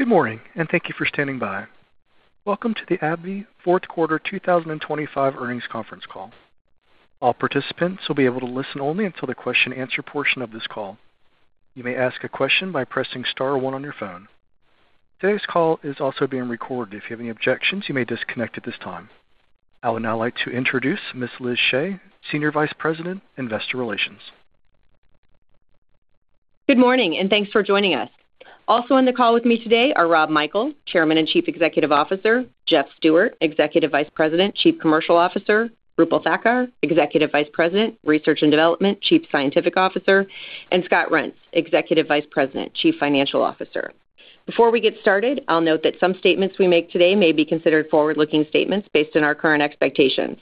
Good morning, and thank you for standing by. Welcome to the AbbVie fourth quarter 2025 earnings conference call. All participants will be able to listen only until the question-and-answer portion of this call. You may ask a question by pressing star or one on your phone. Today's call is also being recorded. If you have any objections, you may disconnect at this time. I would now like to introduce Ms. Liz Shea, Senior Vice President, Investor Relations. Good morning, and thanks for joining us. Also on the call with me today are Rob Michael, Chairman and Chief Executive Officer; Jeff Stewart, Executive Vice President, Chief Commercial Officer; Roopal Thakkar, Executive Vice President, Research and Development, Chief Scientific Officer; and Scott Reents, Executive Vice President, Chief Financial Officer. Before we get started, I'll note that some statements we make today may be considered forward-looking statements based on our current expectations.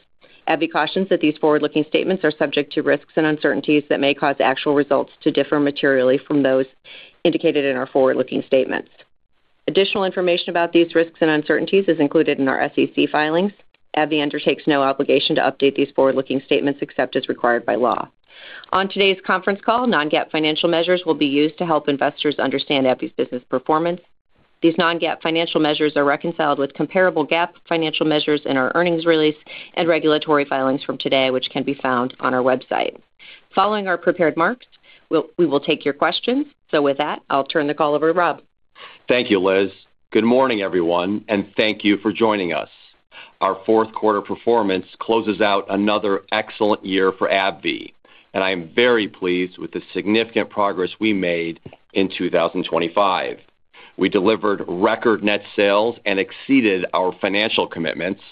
AbbVie cautions that these forward-looking statements are subject to risks and uncertainties that may cause actual results to differ materially from those indicated in our forward-looking statements. Additional information about these risks and uncertainties is included in our SEC filings. AbbVie undertakes no obligation to update these forward-looking statements except as required by law. On today's conference call, non-GAAP financial measures will be used to help investors understand AbbVie's business performance. These non-GAAP financial measures are reconciled with comparable GAAP financial measures in our earnings release and regulatory filings from today, which can be found on our website. Following our prepared marks, we will take your questions. With that, I'll turn the call over to Rob. Thank you, Liz. Good morning, everyone, and thank you for joining us. Our fourth-quarter performance closes out another excellent year for AbbVie, and I am very pleased with the significant progress we made in 2025. We delivered record net sales and exceeded our financial commitments,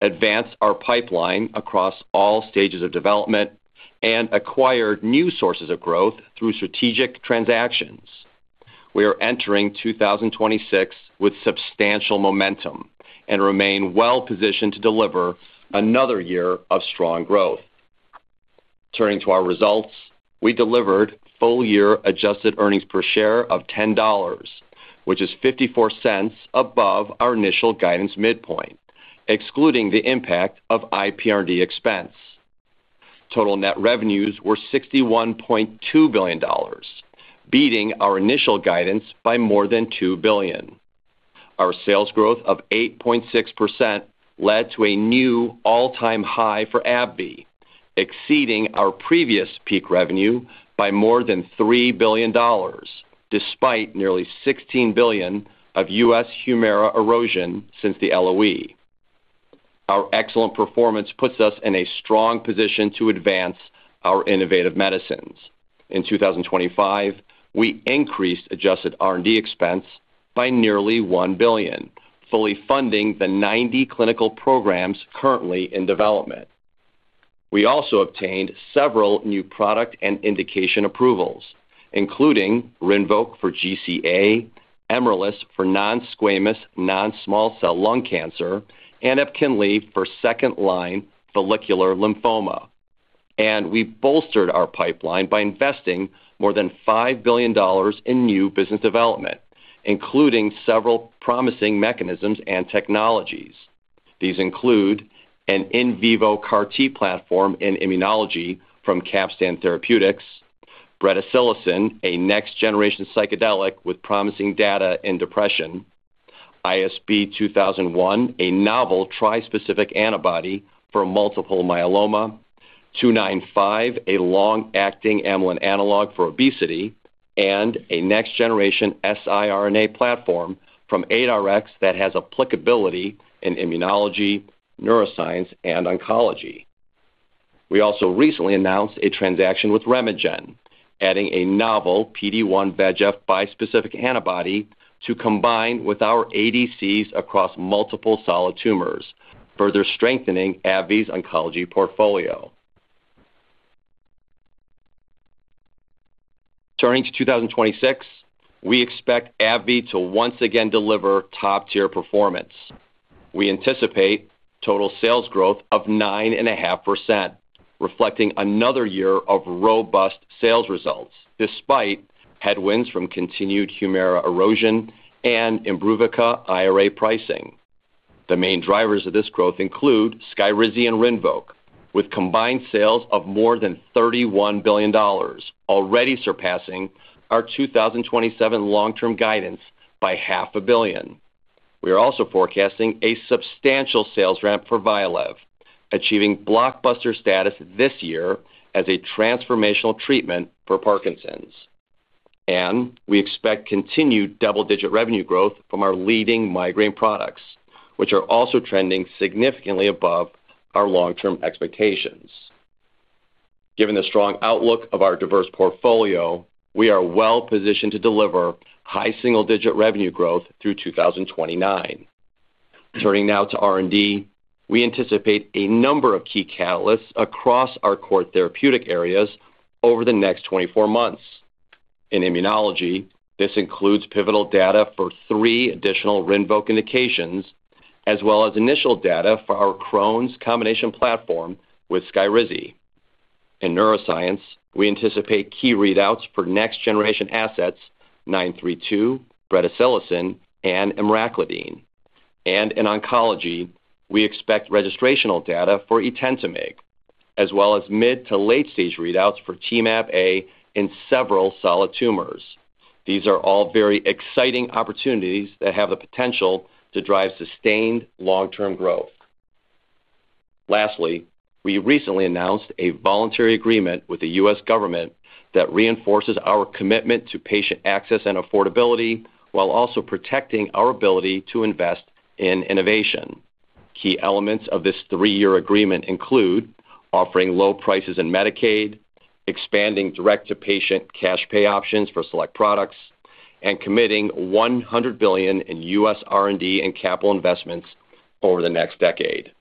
advanced our pipeline across all stages of development, and acquired new sources of growth through strategic transactions. We are entering 2026 with substantial momentum and remain well-positioned to deliver another year of strong growth. Turning to our results, we delivered full-year adjusted earnings per share of $10, which is $0.54 above our initial guidance midpoint, excluding the impact of IPR&D expense. Total net revenues were $61.2 billion, beating our initial guidance by more than $2 billion. Our sales growth of 8.6% led to a new all-time high for AbbVie, exceeding our previous peak revenue by more than $3 billion, despite nearly $16 billion of U.S. Humira erosion since the LOE. Our excellent performance puts us in a strong position to advance our innovative medicines. In 2025, we increased adjusted R&D expense by nearly $1 billion, fully funding the 90 clinical programs currently in development. We also obtained several new product and indication approvals, including Rinvoq for GCA, Emrelis for non-squamous non-small cell lung cancer, and Epkinly for second-line follicular lymphoma. We bolstered our pipeline by investing more than $5 billion in new business development, including several promising mechanisms and technologies. These include an in vivo CAR-T platform in immunology from Capstan Therapeutics; Bretisilocin, a next-generation psychedelic with promising data in depression; ISB 2001, a novel trispecific antibody for multiple myeloma; ABBV-295, a long-acting amylin analog for obesity; and a next-generation siRNA platform from ADARx that has applicability in immunology, neuroscience, and oncology. We also recently announced a transaction with RemeGen, adding a novel PD-1/VEGF bispecific antibody to combine with our ADCs across multiple solid tumors, further strengthening AbbVie's oncology portfolio. Turning to 2026, we expect AbbVie to once again deliver top-tier performance. We anticipate total sales growth of 9.5%, reflecting another year of robust sales results despite headwinds from continued Humira erosion and Imbruvica IRA pricing. The main drivers of this growth include Skyrizi and Rinvoq, with combined sales of more than $31 billion, already surpassing our 2027 long-term guidance by $500 million. We are also forecasting a substantial sales ramp for Vyalev, achieving blockbuster status this year as a transformational treatment for Parkinson's. And we expect continued double-digit revenue growth from our leading migraine products, which are also trending significantly above our long-term expectations. Given the strong outlook of our diverse portfolio, we are well-positioned to deliver high single-digit revenue growth through 2029. Turning now to R&D, we anticipate a number of key catalysts across our core therapeutic areas over the next 24 months. In immunology, this includes pivotal data for three additional Rinvoq indications, as well as initial data for our Crohn's combination platform with Skyrizi. In neuroscience, we anticipate key readouts for next-generation assets 932, Bretisilocin, and Emraclidine. And in oncology, we expect registrational data for Etentamig, as well as mid-to-late-stage readouts for Temab-A in several solid tumors. These are all very exciting opportunities that have the potential to drive sustained long-term growth. Lastly, we recently announced a voluntary agreement with the U.S. government that reinforces our commitment to patient access and affordability while also protecting our ability to invest in innovation. Key elements of this three-year agreement include offering low prices in Medicaid, expanding direct-to-patient cash pay options for select products, and committing $100 billion in U.S. R&D and capital investments over the next decade.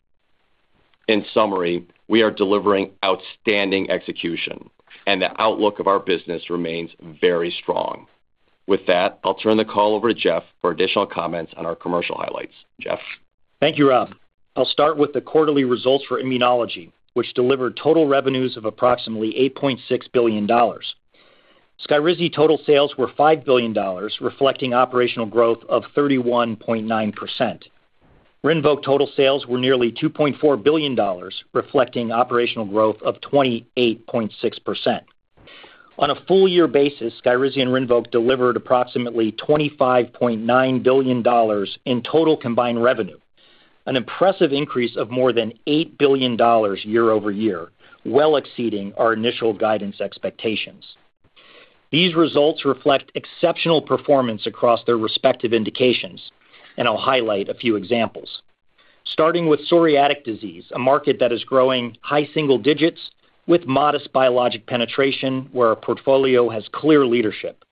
In summary, we are delivering outstanding execution, and the outlook of our business remains very strong. With that, I'll turn the call over to Jeff for additional comments on our commercial highlights. Jeff. Thank you, Rob. I'll start with the quarterly results for immunology, which delivered total revenues of approximately $8.6 billion. Skyrizi total sales were $5 billion, reflecting operational growth of 31.9%. Rinvoq total sales were nearly $2.4 billion, reflecting operational growth of 28.6%. On a full-year basis, Skyrizi and Rinvoq delivered approximately $25.9 billion in total combined revenue, an impressive increase of more than $8 billion year over year, well exceeding our initial guidance expectations. These results reflect exceptional performance across their respective indications, and I'll highlight a few examples. Starting with psoriatic disease, a market that is growing high single digits with modest biologic penetration, where our portfolio has clear leadership.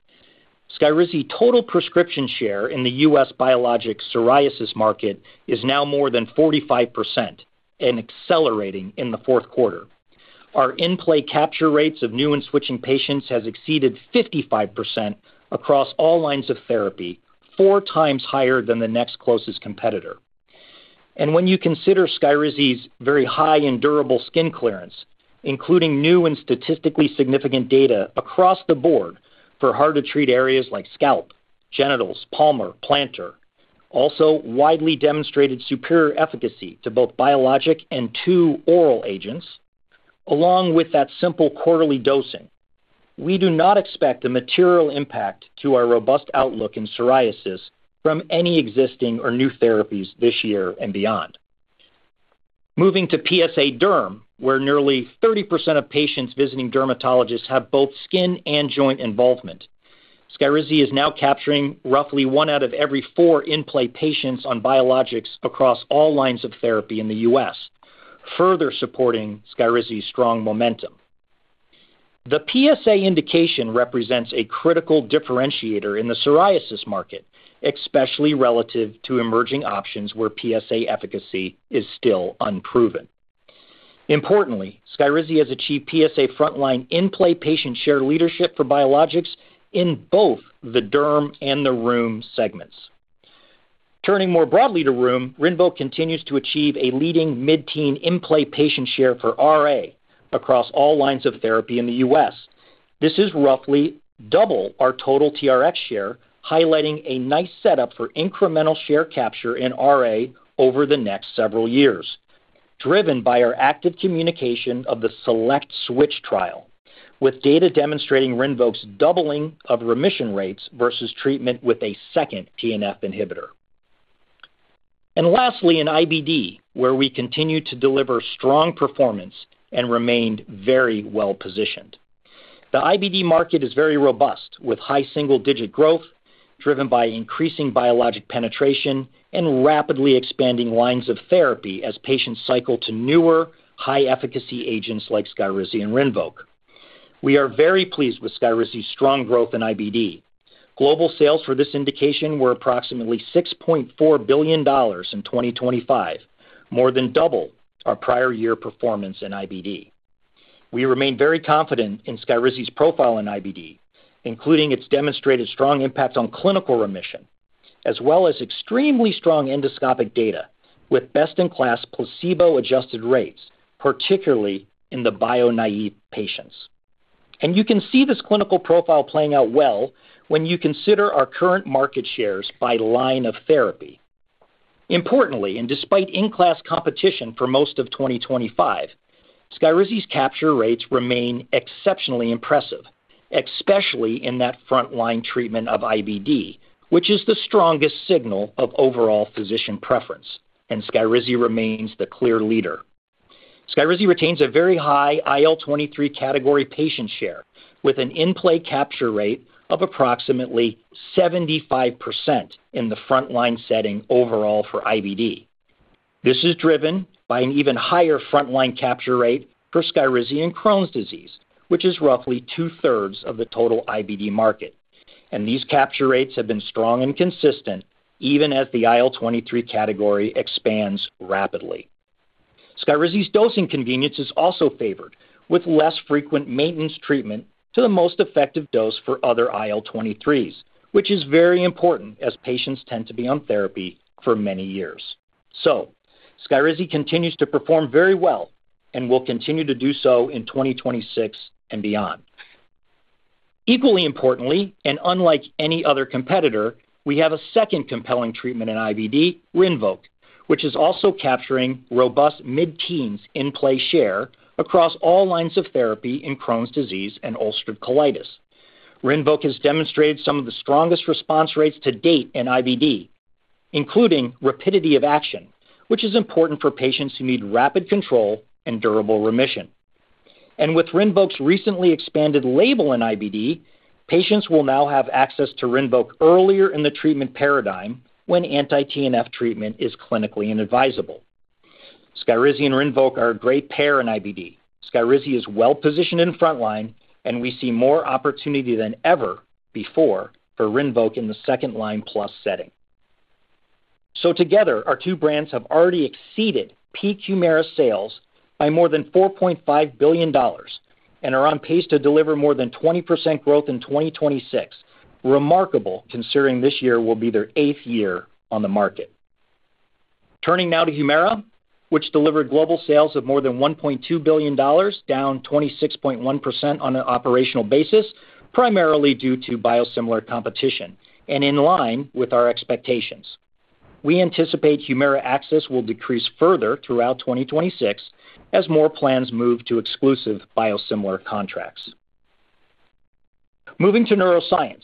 Skyrizi total prescription share in the U.S. biologic psoriasis market is now more than 45% and accelerating in the fourth quarter. Our in-play capture rates of new and switching patients have exceeded 55% across all lines of therapy, four times higher than the next closest competitor. And when you consider Skyrizi's very high and durable skin clearance, including new and statistically significant data across the board for hard-to-treat areas like scalp, genitals, palmar, plantar, also widely demonstrated superior efficacy to both biologic and two oral agents, along with that simple quarterly dosing, we do not expect a material impact to our robust outlook in psoriasis from any existing or new therapies this year and beyond. Moving to PsA Derm, where nearly 30% of patients visiting dermatologists have both skin and joint involvement, Skyrizi is now capturing roughly one out of every four in-play patients on biologics across all lines of therapy in the U.S., further supporting Skyrizi's strong momentum. The PsA indication represents a critical differentiator in the psoriasis market, especially relative to emerging options where PsA efficacy is still unproven. Importantly, Skyrizi has achieved PsA frontline in-play patient share leadership for biologics in both the derm and the Rheum segments. Turning more broadly to Rheum, Rinvoq continues to achieve a leading mid-teen in-play patient share for RA across all lines of therapy in the U.S. This is roughly double our total TRx share, highlighting a nice setup for incremental share capture in RA over the next several years, driven by our active communication of the SELECT SWITCH trial, with data demonstrating Rinvoq's doubling of remission rates versus treatment with a second TNF inhibitor. And lastly, in IBD, where we continue to deliver strong performance and remain very well-positioned. The IBD market is very robust, with high single-digit growth driven by increasing biologic penetration and rapidly expanding lines of therapy as patients cycle to newer, high-efficacy agents like Skyrizi and Rinvoq. We are very pleased with Skyrizi's strong growth in IBD. Global sales for this indication were approximately $6.4 billion in 2025, more than double our prior year performance in IBD. We remain very confident in Skyrizi's profile in IBD, including its demonstrated strong impact on clinical remission, as well as extremely strong endoscopic data with best-in-class placebo-adjusted rates, particularly in the bio-naïve patients. You can see this clinical profile playing out well when you consider our current market shares by line of therapy. Importantly, and despite in-class competition for most of 2025, Skyrizi's capture rates remain exceptionally impressive, especially in that frontline treatment of IBD, which is the strongest signal of overall physician preference, and Skyrizi remains the clear leader. Skyrizi retains a very high IL-23 category patient share, with an in-play capture rate of approximately 75% in the frontline setting overall for IBD. This is driven by an even higher frontline capture rate for Skyrizi and Crohn's disease, which is roughly two-thirds of the total IBD market. And these capture rates have been strong and consistent even as the IL-23 category expands rapidly. Skyrizi's dosing convenience is also favored, with less frequent maintenance treatment to the most effective dose for other IL-23s, which is very important as patients tend to be on therapy for many years. So Skyrizi continues to perform very well and will continue to do so in 2026 and beyond. Equally importantly, and unlike any other competitor, we have a second compelling treatment in IBD, Rinvoq, which is also capturing robust mid-teens in-play share across all lines of therapy in Crohn's disease and ulcerative colitis. Rinvoq has demonstrated some of the strongest response rates to date in IBD, including rapidity of action, which is important for patients who need rapid control and durable remission. And with Rinvoq's recently expanded label in IBD, patients will now have access to Rinvoq earlier in the treatment paradigm when anti-TNF treatment is clinically inadvisable. Skyrizi and Rinvoq are a great pair in IBD. Skyrizi is well-positioned in frontline, and we see more opportunity than ever before for Rinvoq in the second-line plus setting. So together, our two brands have already exceeded peak Humira sales by more than $4.5 billion and are on pace to deliver more than 20% growth in 2026, remarkable considering this year will be their eighth year on the market. Turning now to Humira, which delivered global sales of more than $1.2 billion, down 26.1% on an operational basis, primarily due to biosimilar competition and in line with our expectations. We anticipate Humira access will decrease further throughout 2026 as more plans move to exclusive biosimilar contracts. Moving to neuroscience,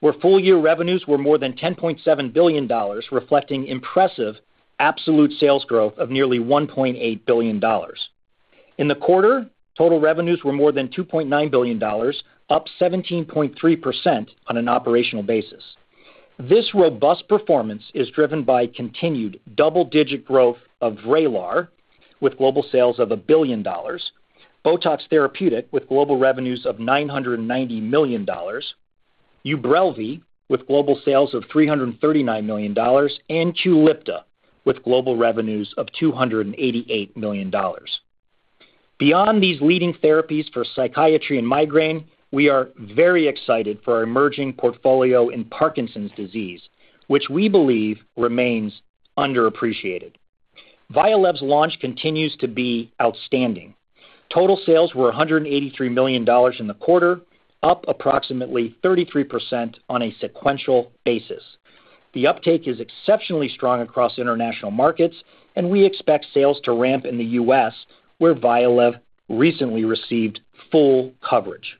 where full-year revenues were more than $10.7 billion, reflecting impressive absolute sales growth of nearly $1.8 billion. In the quarter, total revenues were more than $2.9 billion, up 17.3% on an operational basis. This robust performance is driven by continued double-digit growth of Vraylar, with global sales of $1 billion, Botox Therapeutic, with global revenues of $990 million, Ubrelvy, with global sales of $339 million, and Qulipta, with global revenues of $288 million. Beyond these leading therapies for psychiatry and migraine, we are very excited for our emerging portfolio in Parkinson's disease, which we believe remains underappreciated. Vyalev's launch continues to be outstanding. Total sales were $183 million in the quarter, up approximately 33% on a sequential basis. The uptake is exceptionally strong across international markets, and we expect sales to ramp in the U.S., where Vyalev recently received full coverage.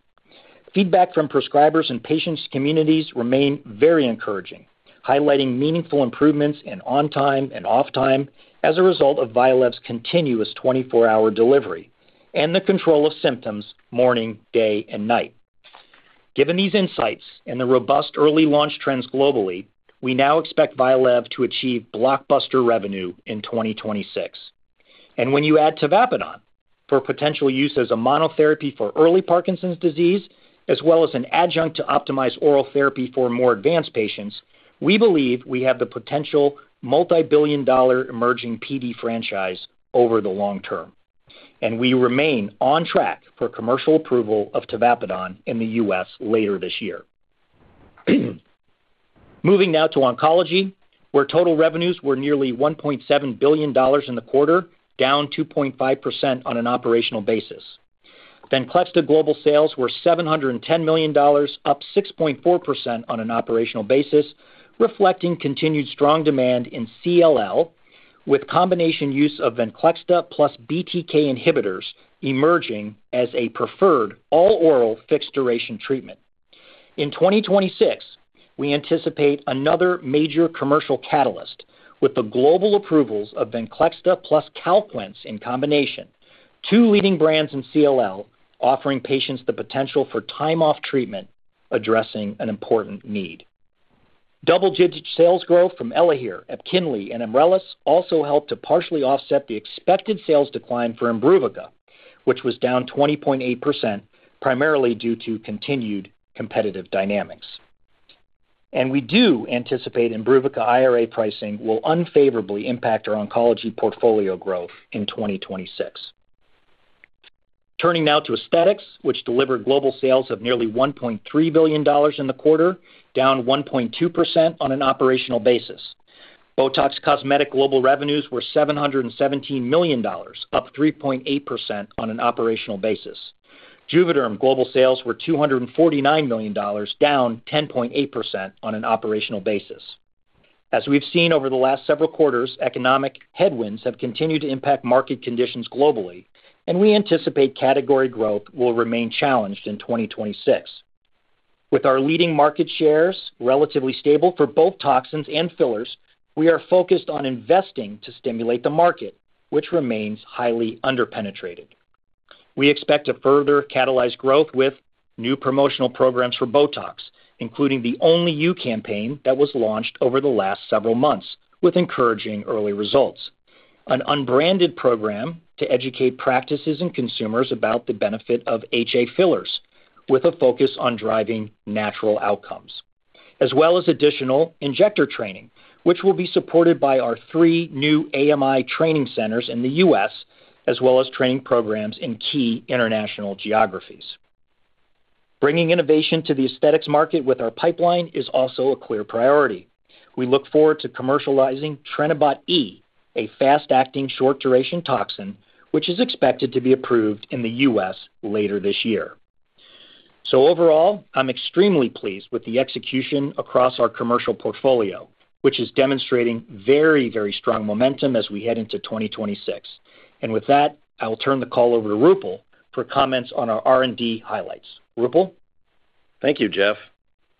Feedback from prescribers and patients' communities remains very encouraging, highlighting meaningful improvements in on-time and off-time as a result of Vyalev's continuous 24-hour delivery and the control of symptoms morning, day, and night. Given these insights and the robust early-launch trends globally, we now expect Vyalev to achieve blockbuster revenue in 2026. And when you add Tavapadon for potential use as a monotherapy for early Parkinson's disease, as well as an adjunct to optimize oral therapy for more advanced patients, we believe we have the potential multi-billion-dollar emerging PD franchise over the long term. And we remain on track for commercial approval of Tavapadon in the U.S. later this year. Moving now to oncology, where total revenues were nearly $1.7 billion in the quarter, down 2.5% on an operational basis. Venclexta global sales were $710 million, up 6.4% on an operational basis, reflecting continued strong demand in CLL, with combination use of Venclexta plus BTK inhibitors emerging as a preferred all-oral fixed-duration treatment. In 2026, we anticipate another major commercial catalyst with the global approvals of Venclexta plus Calquence in combination, two leading brands in CLL offering patients the potential for time-off treatment addressing an important need. Double-digit sales growth from Elahere, Epkinly, and Empliciti also helped to partially offset the expected sales decline for Imbruvica, which was down 20.8%, primarily due to continued competitive dynamics. We do anticipate Imbruvica IRA pricing will unfavorably impact our oncology portfolio growth in 2026. Turning now to aesthetics, which delivered global sales of nearly $1.3 billion in the quarter, down 1.2% on an operational basis. Botox Cosmetic global revenues were $717 million, up 3.8% on an operational basis. Juvéderm global sales were $249 million, down 10.8% on an operational basis. As we've seen over the last several quarters, economic headwinds have continued to impact market conditions globally, and we anticipate category growth will remain challenged in 2026. With our leading market shares relatively stable for both toxins and fillers, we are focused on investing to stimulate the market, which remains highly underpenetrated. We expect to further catalyze growth with new promotional programs for Botox, including the Only You campaign that was launched over the last several months with encouraging early results. An unbranded program to educate practices and consumers about the benefit of HA fillers with a focus on driving natural outcomes. As well as additional injector training, which will be supported by our three new AMI training centers in the U.S., as well as training programs in key international geographies. Bringing innovation to the aesthetics market with our pipeline is also a clear priority. We look forward to commercializing Trenibot E, a fast-acting, short-duration toxin, which is expected to be approved in the U.S. later this year. So overall, I'm extremely pleased with the execution across our commercial portfolio, which is demonstrating very, very strong momentum as we head into 2026. And with that, I will turn the call over to Roopal for comments on our R&D highlights. Roopal? Thank you, Jeff.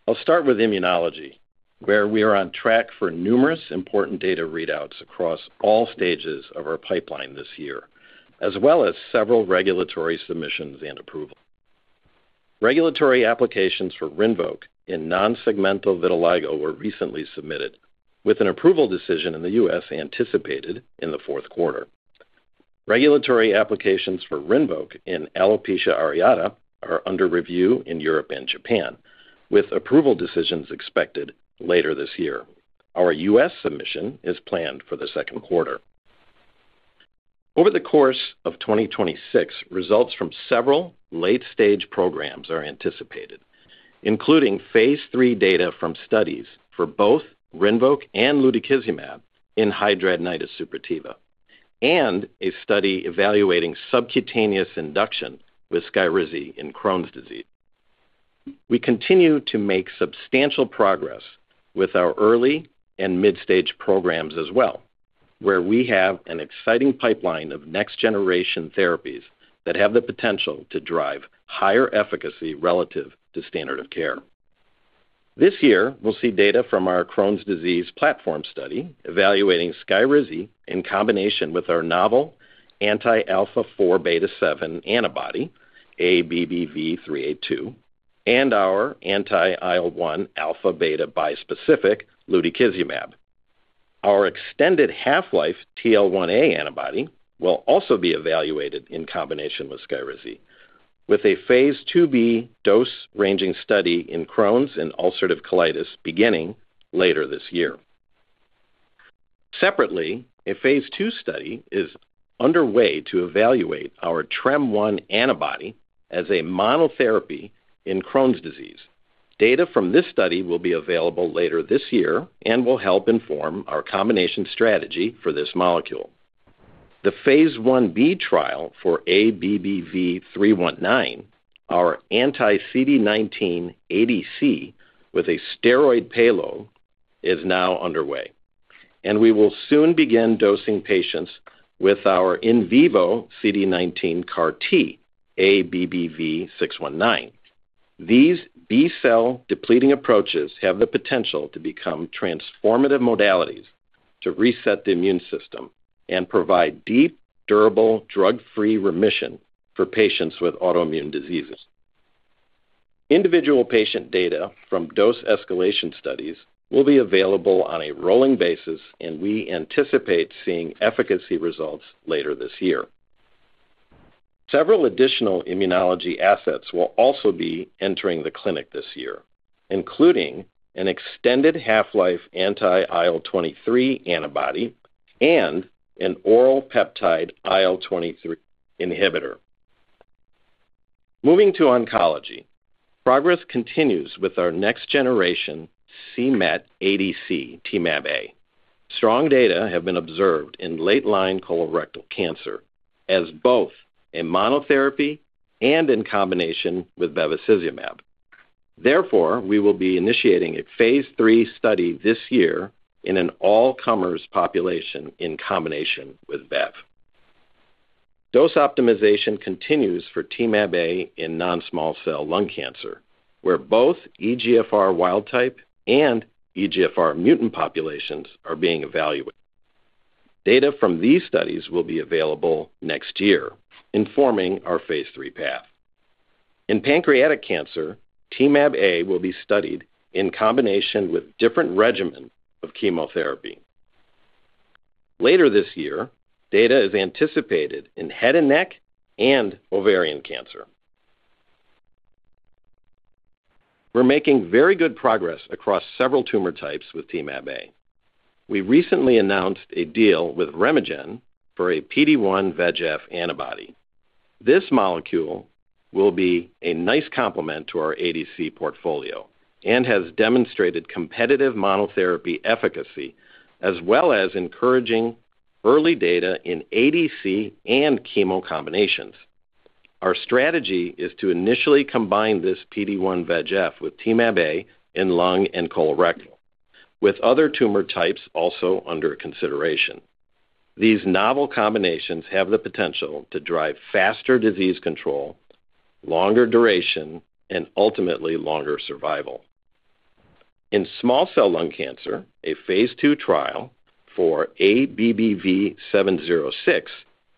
I'll start with immunology, where we are on track for numerous important data readouts across all stages of our pipeline this year, as well as several regulatory submissions and approvals. Regulatory applications for Rinvoq in non-segmental vitiligo were recently submitted, with an approval decision in the U.S. anticipated in the fourth quarter. Regulatory applications for Rinvoq in alopecia areata are under review in Europe and Japan, with approval decisions expected later this year. Our U.S. submission is planned for the second quarter. Over the course of 2026, results from several late-stage programs are anticipated, including phase III data from studies for both Rinvoq and lutikizumab in hidradenitis suppurativa and a study evaluating subcutaneous induction with Skyrizi in Crohn's disease. We continue to make substantial progress with our early and mid-stage programs as well, where we have an exciting pipeline of next-generation therapies that have the potential to drive higher efficacy relative to standard of care. This year, we'll see data from our Crohn's disease platform study evaluating Skyrizi in combination with our novel anti-alpha-4 beta-7 antibody, ABBV-382, and our anti-IL-1 alpha/beta bispecific lutikizumab. Our extended half-life TL1a antibody will also be evaluated in combination with Skyrizi with a phase IIb dose-ranging study in Crohn's and ulcerative colitis beginning later this year. Separately, a phase II study is underway to evaluate our TREM1 antibody as a monotherapy in Crohn's disease. Data from this study will be available later this year and will help inform our combination strategy for this molecule. The phase Ib trial for ABBV-319, our anti-CD19 ADC with a steroid payload, is now underway. We will soon begin dosing patients with our in vivo CD19 CAR-T, ABBV-619. These B-cell depleting approaches have the potential to become transformative modalities to reset the immune system and provide deep, durable, drug-free remission for patients with autoimmune diseases. Individual patient data from dose escalation studies will be available on a rolling basis, and we anticipate seeing efficacy results later this year. Several additional immunology assets will also be entering the clinic this year, including an extended half-life anti-IL-23 antibody and an oral peptide IL-23 inhibitor. Moving to oncology, progress continues with our next-generation c-Met ADC Temab-A. Strong data have been observed in late-line colorectal cancer as both a monotherapy and in combination with bevacizumab. Therefore, we will be initiating a phase III study this year in an all-comers population in combination with VEGF. Dose optimization continues for Temab-A in non-small cell lung cancer, where both EGFR wild type and EGFR mutant populations are being evaluated. Data from these studies will be available next year, informing our phase III path. In pancreatic cancer, Temab-A will be studied in combination with different regimens of chemotherapy. Later this year, data is anticipated in head and neck and ovarian cancer. We're making very good progress across several tumor types with Temab-A. We recently announced a deal with RemeGen for a PD-1/VEGF antibody. This molecule will be a nice complement to our ADC portfolio and has demonstrated competitive monotherapy efficacy as well as encouraging early data in ADC and chemo combinations. Our strategy is to initially combine this PD-1/VEGF with Temab-A in lung and colorectal, with other tumor types also under consideration. These novel combinations have the potential to drive faster disease control, longer duration, and ultimately longer survival. In small cell lung cancer, a phase II trial for ABBV-706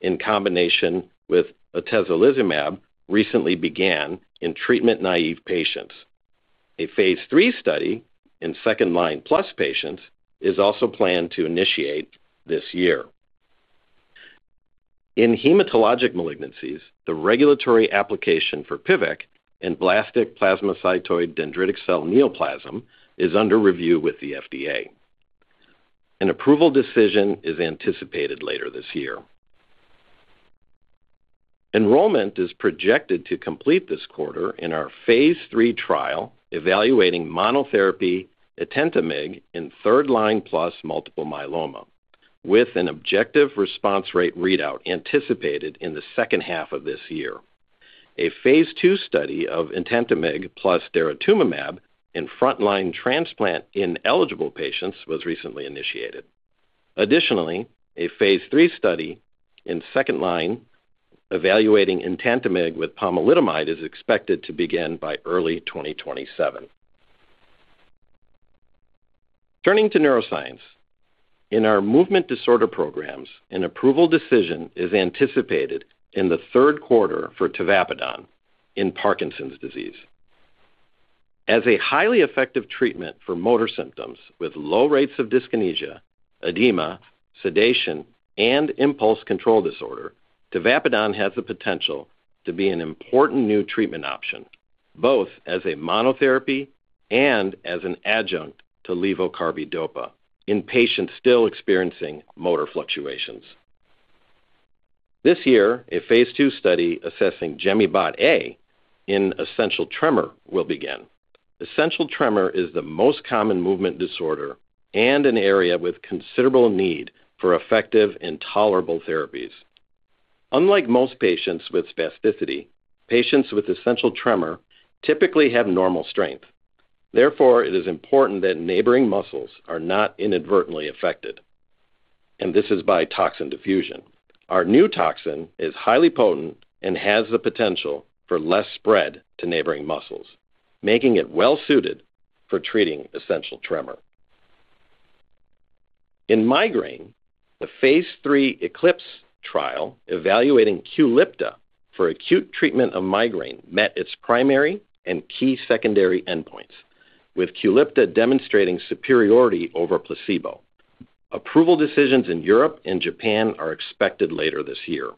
in combination with atezolizumab recently began in treatment-naïve patients. A phase III study in second-line+ patients is also planned to initiate this year. In hematologic malignancies, the regulatory application for PVEK and blastic plasmacytoid dendritic cell neoplasm is under review with the FDA. An approval decision is anticipated later this year. Enrollment is projected to complete this quarter in our phase III trial evaluating monotherapy Etentamig in third-line+ multiple myeloma, with an objective response rate readout anticipated in the second half of this year. A phase II study of Etentamig plus daratumumab in front-line transplant ineligible patients was recently initiated. Additionally, a phase III study in second-line evaluating Etentamig with pomalidomide is expected to begin by early 2027. Turning to neuroscience, in our movement disorder programs, an approval decision is anticipated in the third quarter for Tavapadon in Parkinson's disease. As a highly effective treatment for motor symptoms with low rates of dyskinesia, edema, sedation, and impulse control disorder, Tavapadon has the potential to be an important new treatment option, both as a monotherapy and as an adjunct to levodopa/carbidopa in patients still experiencing motor fluctuations. This year, a phase II study assessing Gemibot A in essential tremor will begin. Essential tremor is the most common movement disorder and an area with considerable need for effective and tolerable therapies. Unlike most patients with spasticity, patients with essential tremor typically have normal strength. Therefore, it is important that neighboring muscles are not inadvertently affected. This is by toxin diffusion. Our new toxin is highly potent and has the potential for less spread to neighboring muscles, making it well-suited for treating essential tremor. In migraine, the phase III Eclipse trial evaluating Qulipta for acute treatment of migraine met its primary and key secondary endpoints, with Qulipta demonstrating superiority over placebo. Approval decisions in Europe and Japan are expected later this year.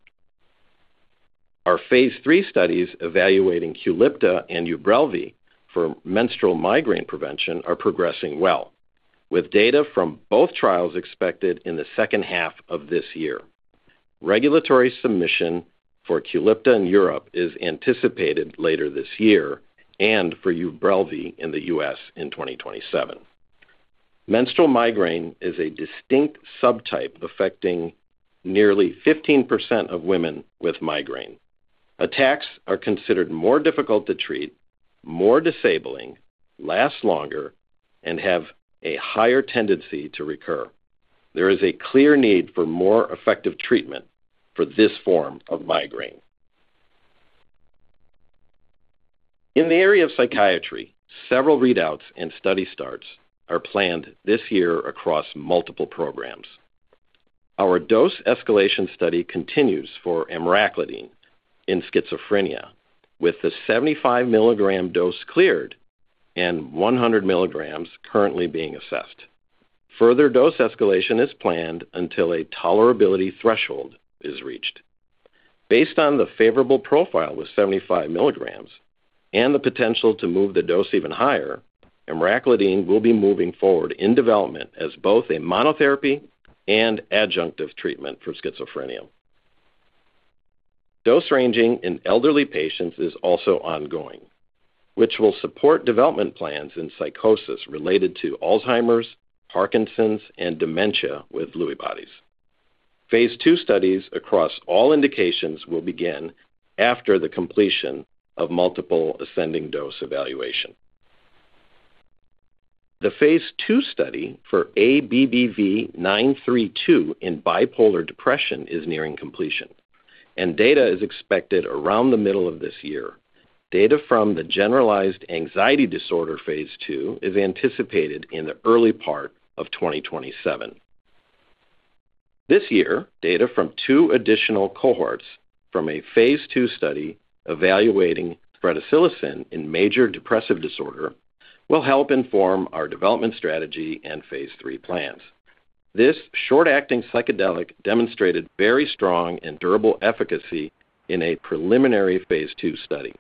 Our phase III studies evaluating Qulipta and Ubrelvy for menstrual migraine prevention are progressing well, with data from both trials expected in the second half of this year. Regulatory submission for Qulipta in Europe is anticipated later this year and for Ubrelvy in the U.S. in 2027. Menstrual migraine is a distinct subtype affecting nearly 15% of women with migraine. Attacks are considered more difficult to treat, more disabling, last longer, and have a higher tendency to recur. There is a clear need for more effective treatment for this form of migraine. In the area of psychiatry, several readouts and study starts are planned this year across multiple programs. Our dose escalation study continues for Emraclidine in schizophrenia, with the 75 mg dose cleared and 100 mg currently being assessed. Further dose escalation is planned until a tolerability threshold is reached. Based on the favorable profile with 75 mg and the potential to move the dose even higher, Emraclidine will be moving forward in development as both a monotherapy and adjunct of treatment for schizophrenia. Dose ranging in elderly patients is also ongoing, which will support development plans in psychosis related to Alzheimer's, Parkinson's, and dementia with Lewy bodies. Phase 2 studies across all indications will begin after the completion of multiple ascending dose evaluation. The phase II study for ABBV-932 in bipolar depression is nearing completion, and data is expected around the middle of this year. Data from the generalized anxiety disorder phase II is anticipated in the early part of 2027. This year, data from 2 additional cohorts from a phase II study evaluating Bretisilocin in major depressive disorder will help inform our development strategy and phase III plans. This short-acting psychedelic demonstrated very strong and durable efficacy in a preliminary phase II study.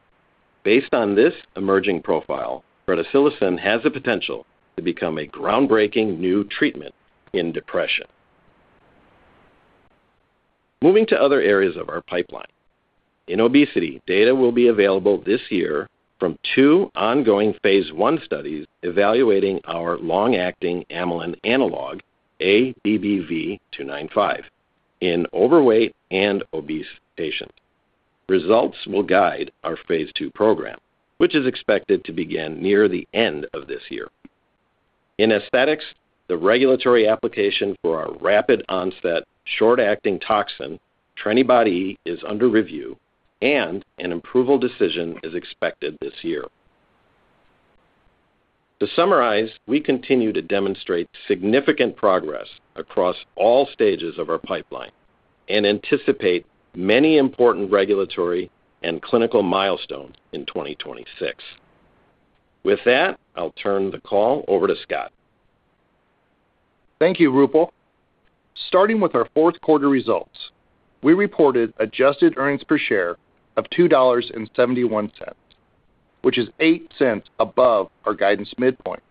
Based on this emerging profile, Bretisilocin has the potential to become a groundbreaking new treatment in depression. Moving to other areas of our pipeline. In obesity, data will be available this year from 2 ongoing phase I studies evaluating our long-acting amylin analog, ABBV-295, in overweight and obese patients. Results will guide our phase II program, which is expected to begin near the end of this year. In aesthetics, the regulatory application for our rapid onset short-acting toxin, Trenibot E, is under review, and an approval decision is expected this year. To summarize, we continue to demonstrate significant progress across all stages of our pipeline and anticipate many important regulatory and clinical milestones in 2026. With that, I'll turn the call over to Scott. Thank you, Roopal. Starting with our fourth quarter results, we reported adjusted earnings per share of $2.71, which is $0.08 above our guidance midpoint.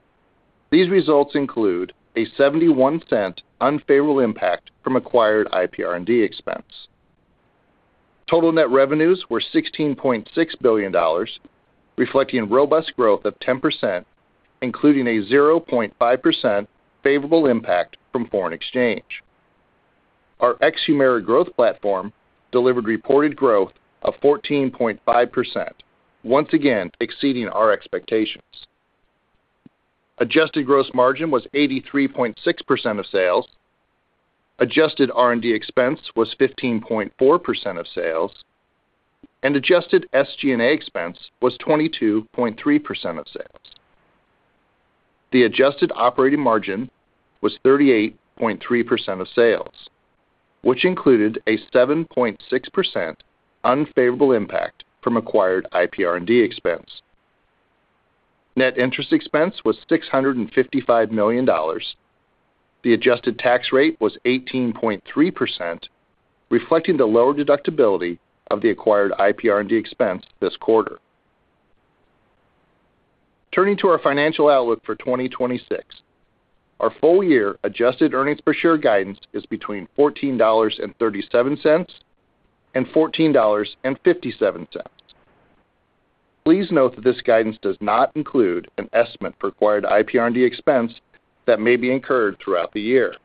These results include a $0.71 unfavorable impact from acquired IPR&D expense. Total net revenues were $16.6 billion, reflecting robust growth of 10%, including a 0.5% favorable impact from foreign exchange. Our ex-Humira growth platform delivered reported growth of 14.5%, once again exceeding our expectations. Adjusted gross margin was 83.6% of sales, adjusted R&D expense was 15.4% of sales, and adjusted SG&A expense was 22.3% of sales. The adjusted operating margin was 38.3% of sales, which included a 7.6% unfavorable impact from acquired IPR&D expense. Net interest expense was $655 million. The adjusted tax rate was 18.3%, reflecting the lower deductibility of the acquired IPR&D expense this quarter. Turning to our financial outlook for 2026, our full-year adjusted earnings per share guidance is between $14.37 and $14.57. Please note that this guidance does not include an estimate for acquired IPR&D expense that may be incurred throughout the year.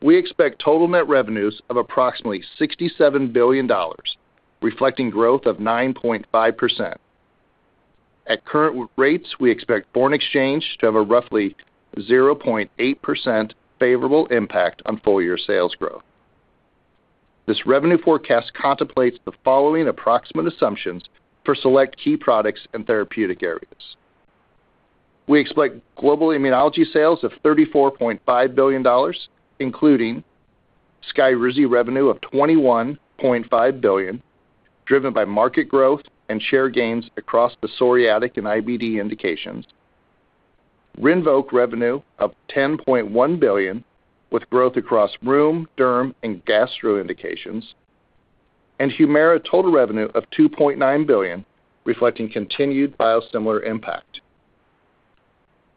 We expect total net revenues of approximately $67 billion, reflecting growth of 9.5%. At current rates, we expect foreign exchange to have a roughly 0.8% favorable impact on full-year sales growth. This revenue forecast contemplates the following approximate assumptions for select key products and therapeutic areas. We expect global immunology sales of $34.5 billion, including Skyrizi revenue of $21.5 billion, driven by market growth and share gains across the psoriatic and IBD indications, Rinvoq revenue of $10.1 billion, with growth across rheum, derm, and gastro indications, and Humira total revenue of $2.9 billion, reflecting continued biosimilar impact.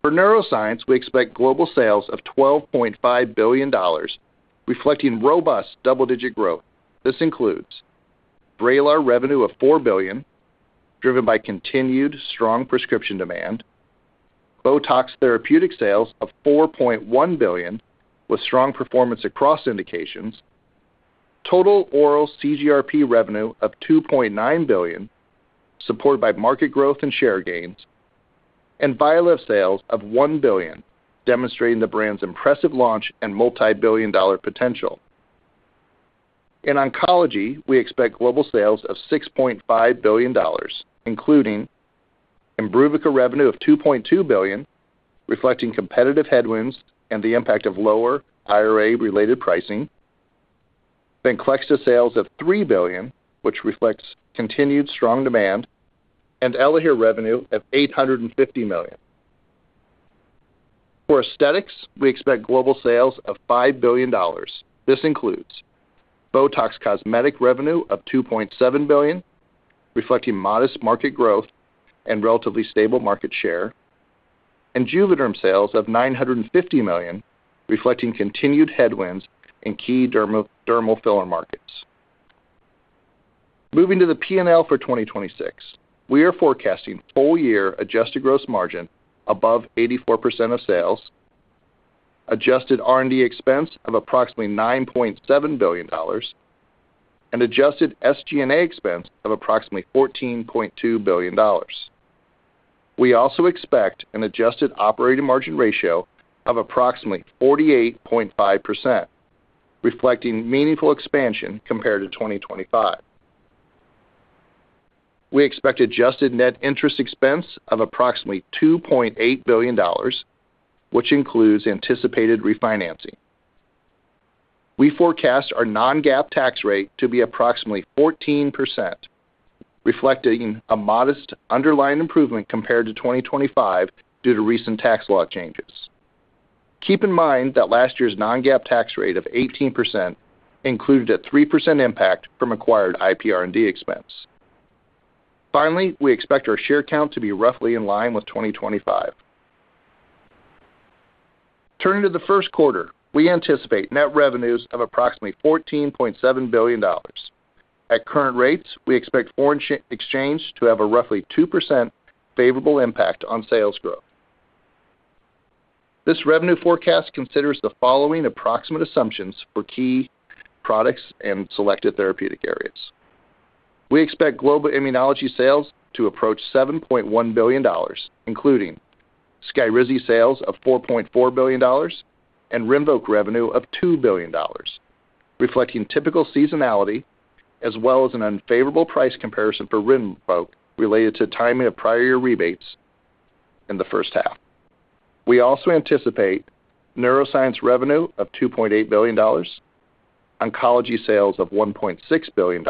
For neuroscience, we expect global sales of $12.5 billion, reflecting robust double-digit growth. This includes Vraylar revenue of $4 billion, driven by continued strong prescription demand, Botox therapeutic sales of $4.1 billion, with strong performance across indications, total oral CGRP revenue of $2.9 billion, supported by market growth and share gains, and Vyalev sales of $1 billion, demonstrating the brand's impressive launch and multi-billion dollar potential. In oncology, we expect global sales of $6.5 billion, including Imbruvica revenue of $2.2 billion, reflecting competitive headwinds and the impact of lower IRA-related pricing. Venclexta sales of $3 billion, which reflects continued strong demand. And Elahere revenue of $850 million. For aesthetics, we expect global sales of $5 billion. This includes Botox cosmetic revenue of $2.7 billion, reflecting modest market growth and relatively stable market share. And Juvéderm sales of $950 million, reflecting continued headwinds in key dermal filler markets. Moving to the P&L for 2026, we are forecasting full-year adjusted gross margin above 84% of sales, adjusted R&D expense of approximately $9.7 billion, and adjusted SG&A expense of approximately $14.2 billion. We also expect an adjusted operating margin ratio of approximately 48.5%, reflecting meaningful expansion compared to 2025. We expect adjusted net interest expense of approximately $2.8 billion, which includes anticipated refinancing. We forecast our non-GAAP tax rate to be approximately 14%, reflecting a modest underlying improvement compared to 2025 due to recent tax law changes. Keep in mind that last year's non-GAAP tax rate of 18% included a 3% impact from acquired IPR&D expense. Finally, we expect our share count to be roughly in line with 2025. Turning to the first quarter, we anticipate net revenues of approximately $14.7 billion. At current rates, we expect foreign exchange to have a roughly 2% favorable impact on sales growth. This revenue forecast considers the following approximate assumptions for key products and selected therapeutic areas. We expect global immunology sales to approach $7.1 billion, including Skyrizi sales of $4.4 billion and Rinvoq revenue of $2 billion, reflecting typical seasonality as well as an unfavorable price comparison for Rinvoq related to timing of prior year rebates in the first half. We also anticipate neuroscience revenue of $2.8 billion, oncology sales of $1.6 billion,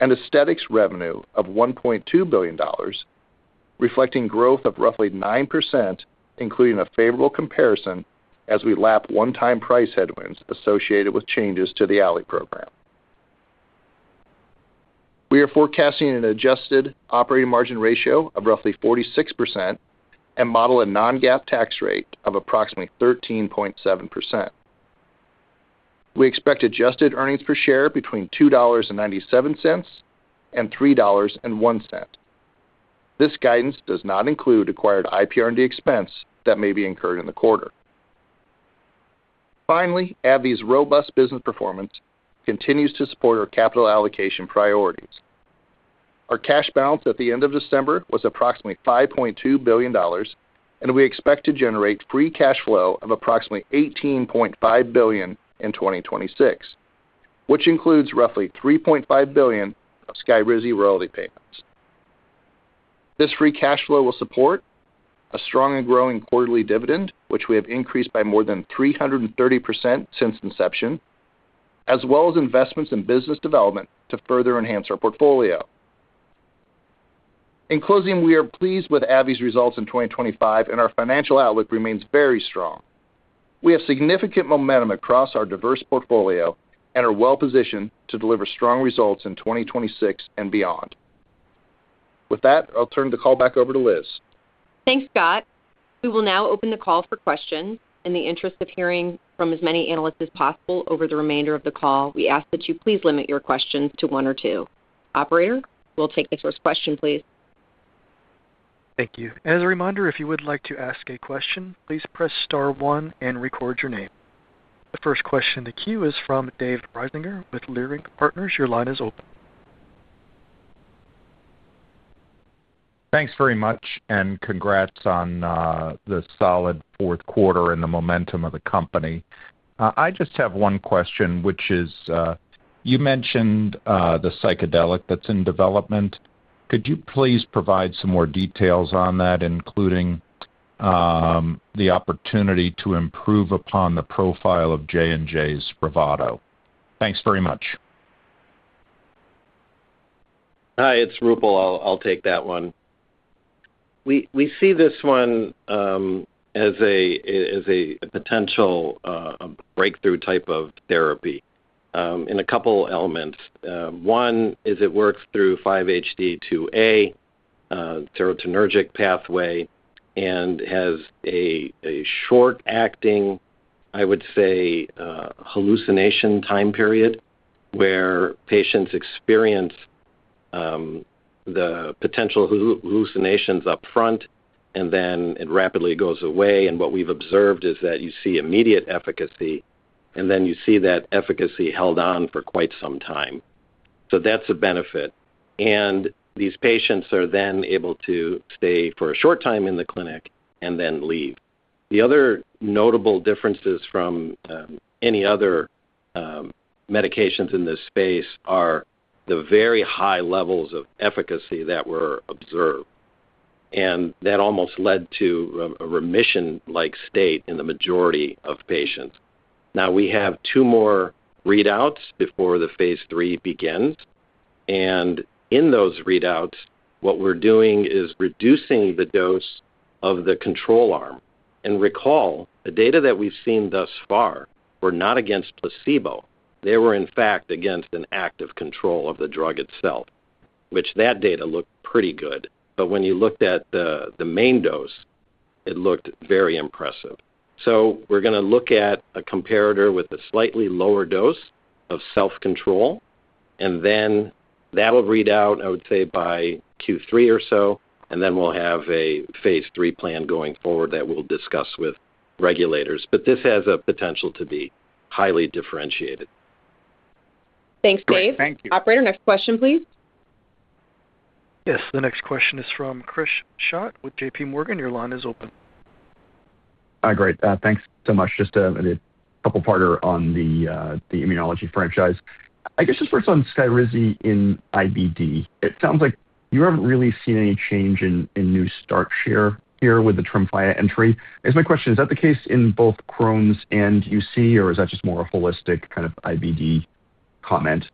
and aesthetics revenue of $1.2 billion, reflecting growth of roughly 9%, including a favorable comparison as we lap one-time price headwinds associated with changes to the Allē program. We are forecasting an adjusted operating margin ratio of roughly 46% and model a non-GAAP tax rate of approximately 13.7%. We expect adjusted earnings per share between $2.97-$3.01. This guidance does not include acquired IPR&D expense that may be incurred in the quarter. Finally, AbbVie's robust business performance continues to support our capital allocation priorities. Our cash balance at the end of December was approximately $5.2 billion, and we expect to generate free cash flow of approximately $18.5 billion in 2026, which includes roughly $3.5 billion of Skyrizi royalty payments. This free cash flow will support a strong and growing quarterly dividend, which we have increased by more than 330% since inception, as well as investments in business development to further enhance our portfolio. In closing, we are pleased with AbbVie's results in 2025, and our financial outlook remains very strong. We have significant momentum across our diverse portfolio and are well-positioned to deliver strong results in 2026 and beyond. With that, I'll turn the call back over to Liz. Thanks, Scott. We will now open the call for questions. In the interest of hearing from as many analysts as possible over the remainder of the call, we ask that you please limit your questions to one or two. Operator, we'll take the first question, please. Thank you. As a reminder, if you would like to ask a question, please press star one and record your name. The first question in the queue is from David Risinger with Leerink Partners. Your line is open. Thanks very much, and congrats on the solid fourth quarter and the momentum of the company. I just have one question, which is you mentioned the psychedelic that's in development. Could you please provide some more details on that, including the opportunity to improve upon the profile of J&J's Spravato? Thanks very much. Hi, it's Roopal. I'll take that one. We see this one as a potential breakthrough type of therapy in a couple of elements. One is it works through 5-HT2A, serotonergic pathway, and has a short-acting, I would say, hallucination time period where patients experience the potential hallucinations upfront, and then it rapidly goes away. And what we've observed is that you see immediate efficacy, and then you see that efficacy held on for quite some time. So that's a benefit. These patients are then able to stay for a short time in the clinic and then leave. The other notable differences from any other medications in this space are the very high levels of efficacy that were observed, and that almost led to a remission-like state in the majority of patients. Now, we have two more readouts before the phase III begins. In those readouts, what we're doing is reducing the dose of the control arm. Recall, the data that we've seen thus far were not against placebo. They were, in fact, against an active control of the drug itself, which that data looked pretty good. But when you looked at the main dose, it looked very impressive. So we're going to look at a comparator with a slightly lower dose of the control, and then that'll read out, I would say, by Q3 or so. Then we'll have a phase three plan going forward that we'll discuss with regulators. This has a potential to be highly differentiated. Thanks, Dave. Thank you. Operator, next question, please. Yes. The next question is from Chris Schott with J.P. Morgan. Your line is open. Great. Thanks so much. Just a couple of partners on the immunology franchise. I guess just first on Skyrizi in IBD. It sounds like you haven't really seen any change in new start share here with the Tremfya entry. My question is, is that the case in both Crohn's and UC, or is that just more a holistic kind of IBD comment?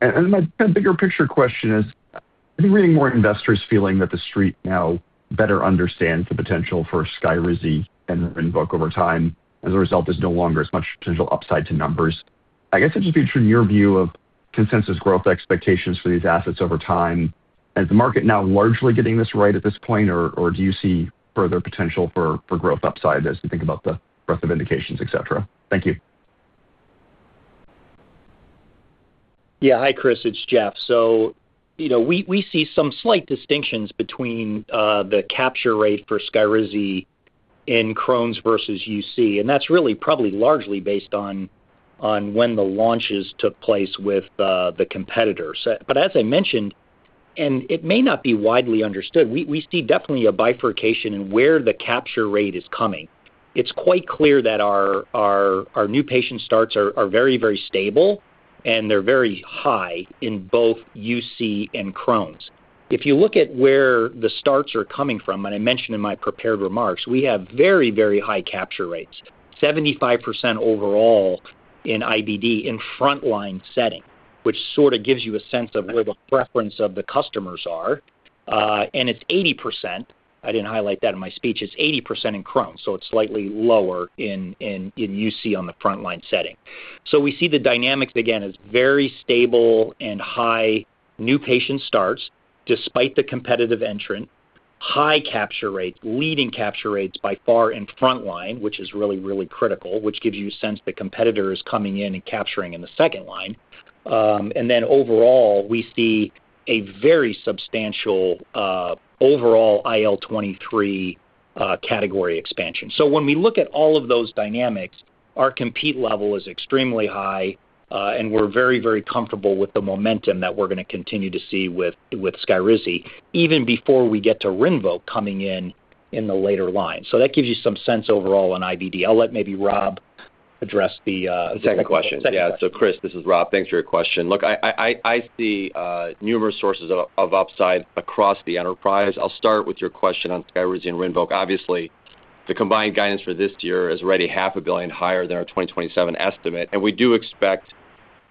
And my kind of bigger picture question is, I've been reading more investors feeling that the street now better understands the potential for Skyrizi and Rinvoq over time, and as a result, there's no longer as much potential upside to numbers. I guess I'd just be interested in your view of consensus growth expectations for these assets over time. Is the market now largely getting this right at this point, or do you see further potential for growth upside as you think about the breadth of indications, etc.? Thank you. Yeah. Hi, Chris. It's Jeff. So we see some slight distinctions between the capture rate for Skyrizi in Crohn's versus UC, and that's really probably largely based on when the launches took place with the competitors. But as I mentioned, and it may not be widely understood, we see definitely a bifurcation in where the capture rate is coming. It's quite clear that our new patient starts are very, very stable, and they're very high in both UC and Crohn's. If you look at where the starts are coming from, and I mentioned in my prepared remarks, we have very, very high capture rates, 75% overall in IBD in frontline setting, which sort of gives you a sense of where the preference of the customers are. And it's 80%. I didn't highlight that in my speech. It's 80% in Crohn's, so it's slightly lower in UC on the frontline setting. So we see the dynamics, again, as very stable and high new patient starts despite the competitive entrant, high capture rates, leading capture rates by far in frontline, which is really, really critical, which gives you a sense the competitor is coming in and capturing in the second line. And then overall, we see a very substantial overall IL-23 category expansion. So when we look at all of those dynamics, our competition level is extremely high, and we're very, very comfortable with the momentum that we're going to continue to see with Skyrizi, even before we get to Rinvoq coming in in the later line. So that gives you some sense overall in IBD. I'll let maybe Rob address the second question. Yeah. So Chris, this is Rob. Thanks for your question. Look, I see numerous sources of upside across the enterprise. I'll start with your question on Skyrizi and Rinvoq. Obviously, the combined guidance for this year is already $500 million higher than our 2027 estimate. And we do expect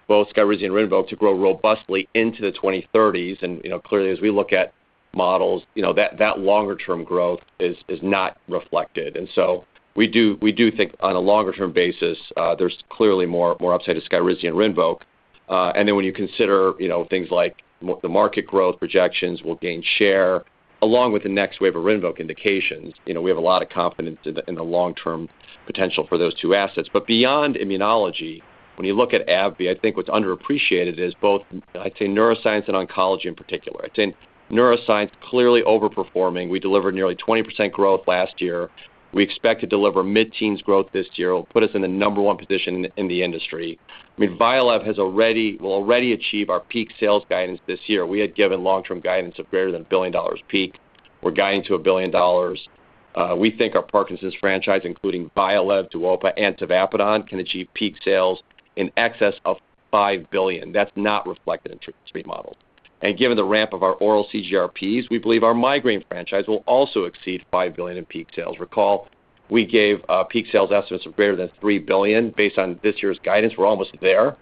both Skyrizi and Rinvoq to grow robustly into the 2030s. And clearly, as we look at models, that longer-term growth is not reflected. And so we do think on a longer-term basis, there's clearly more upside to Skyrizi and Rinvoq. And then when you consider things like the market growth projections, we'll gain share along with the next wave of Rinvoq indications. We have a lot of confidence in the long-term potential for those two assets. But beyond immunology, when you look at AbbVie, I think what's underappreciated is both, I'd say, neuroscience and oncology in particular. I'd say neuroscience clearly overperforming. We delivered nearly 20% growth last year. We expect to deliver mid-teens growth this year. It'll put us in the number one position in the industry. I mean, Vraylar will already achieve our peak sales guidance this year. We had given long-term guidance of greater than $1 billion peak. We're guiding to $1 billion. We think our Parkinson's franchise, including Vyalev, Duopa, and tavapadon, can achieve peak sales in excess of $5 billion. That's not reflected in treatment models. And given the ramp of our oral CGRPs, we believe our migraine franchise will also exceed $5 billion in peak sales. Recall, we gave peak sales estimates of greater than $3 billion. Based on this year's guidance, we're almost there.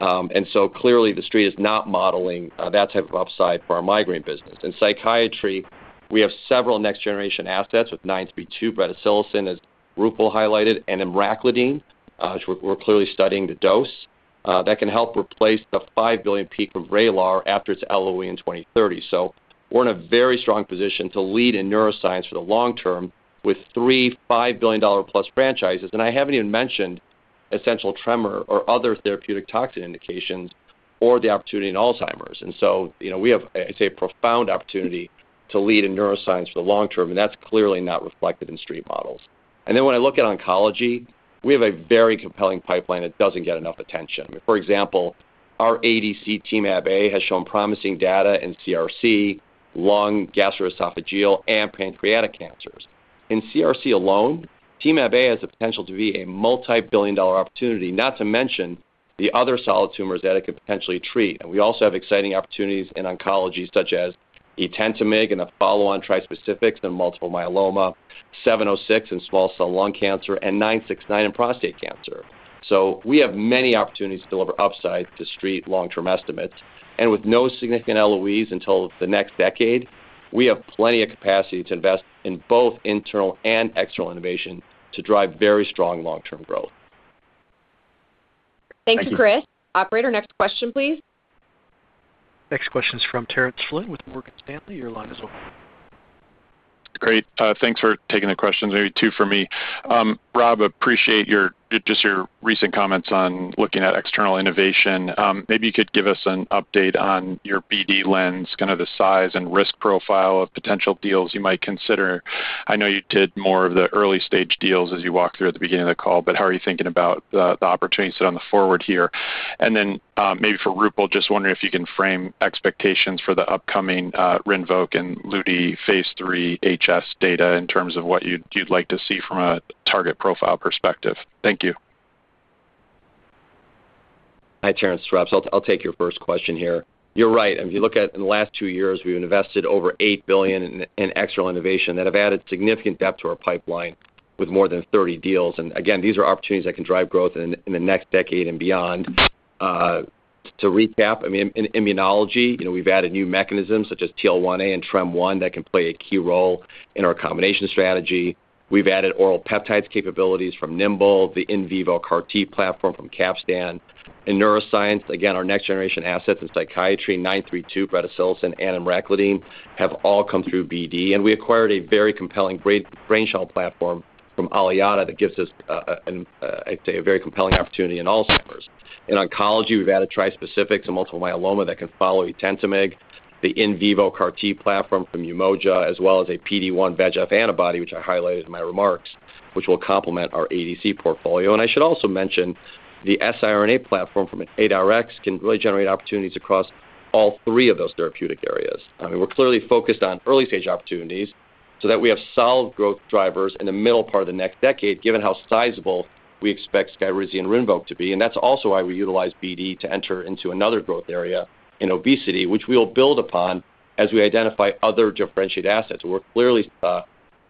And so clearly, the street is not modeling that type of upside for our migraine business. In psychiatry, we have several next-generation assets with 5-HT2A bretisilocin, as Roopal highlighted, and emraclidine, which we're clearly studying the dose. That can help replace the $5 billion peak of Vraylar after its LOE in 2030. So we're in a very strong position to lead in neuroscience for the long term with three $5 billion-plus franchises. I haven't even mentioned essential tremor or other therapeutic toxin indications or the opportunity in Alzheimer's. We have, I'd say, a profound opportunity to lead in neuroscience for the long term, and that's clearly not reflected in street models. When I look at oncology, we have a very compelling pipeline that doesn't get enough attention. I mean, for example, our ADC Temab-A has shown promising data in CRC, lung, gastroesophageal, and pancreatic cancers. In CRC alone, Temab-A has the potential to be a multi-billion dollar opportunity, not to mention the other solid tumors that it could potentially treat. We also have exciting opportunities in oncology such as Etentamig and the follow-on trispecifics in multiple myeloma, 706 in small cell lung cancer, and 969 in prostate cancer. We have many opportunities to deliver upside to street long-term estimates. With no significant LOEs until the next decade, we have plenty of capacity to invest in both internal and external innovation to drive very strong long-term growth. Thank you, Chris. Operator, next question, please. Next question is from Terence Flynn with Morgan Stanley. Your line is open. Great. Thanks for taking the questions. Maybe two for me. Rob, appreciate just your recent comments on looking at external innovation. Maybe you could give us an update on your BD lens, kind of the size and risk profile of potential deals you might consider. I know you did more of the early-stage deals as you walked through at the beginning of the call, but how are you thinking about the opportunities that are going forward here? And then maybe for Roopal, just wondering if you can frame expectations for the upcoming Rinvoq and lutikizumab phase III HS data in terms of what you'd like to see from a target profile perspective. Thank you. Hi, Terence. Rob, so I'll take your first question here. You're right. If you look at in the last two years, we've invested over $8 billion in external innovation that have added significant depth to our pipeline with more than 30 deals. And again, these are opportunities that can drive growth in the next decade and beyond. To recap, I mean, in immunology, we've added new mechanisms such as TL1A and TREM1 that can play a key role in our combination strategy. We've added oral peptides capabilities from Nimble, the in vivo CAR-T platform from Capstan. In neuroscience, again, our next-generation assets in psychiatry, 932, bretisilocin, and emraclidine, have all come through BD. We acquired a very compelling brain shuttle platform from Aliada that gives us, I'd say, a very compelling opportunity in Alzheimer's. In oncology, we've added trispecifics and multiple myeloma that can follow Etentamig, the in vivo CAR-T platform from Umoja, as well as a PD-1 VEGF antibody, which I highlighted in my remarks, which will complement our ADC portfolio. I should also mention the siRNA platform from ADARx can really generate opportunities across all three of those therapeutic areas. I mean, we're clearly focused on early-stage opportunities so that we have solid growth drivers in the middle part of the next decade, given how sizable we expect Skyrizi and Rinvoq to be. That's also why we utilize BD to enter into another growth area in obesity, which we will build upon as we identify other differentiated assets. We're clearly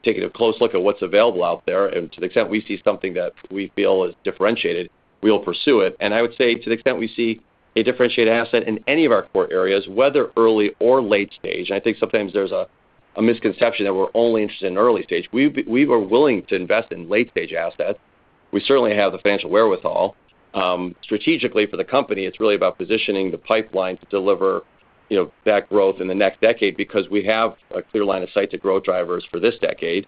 taking a close look at what's available out there. To the extent we see something that we feel is differentiated, we will pursue it. I would say to the extent we see a differentiated asset in any of our core areas, whether early or late stage, and I think sometimes there's a misconception that we're only interested in early stage. We are willing to invest in late-stage assets. We certainly have the financial wherewithal. Strategically for the company, it's really about positioning the pipeline to deliver that growth in the next decade because we have a clear line of sight to growth drivers for this decade.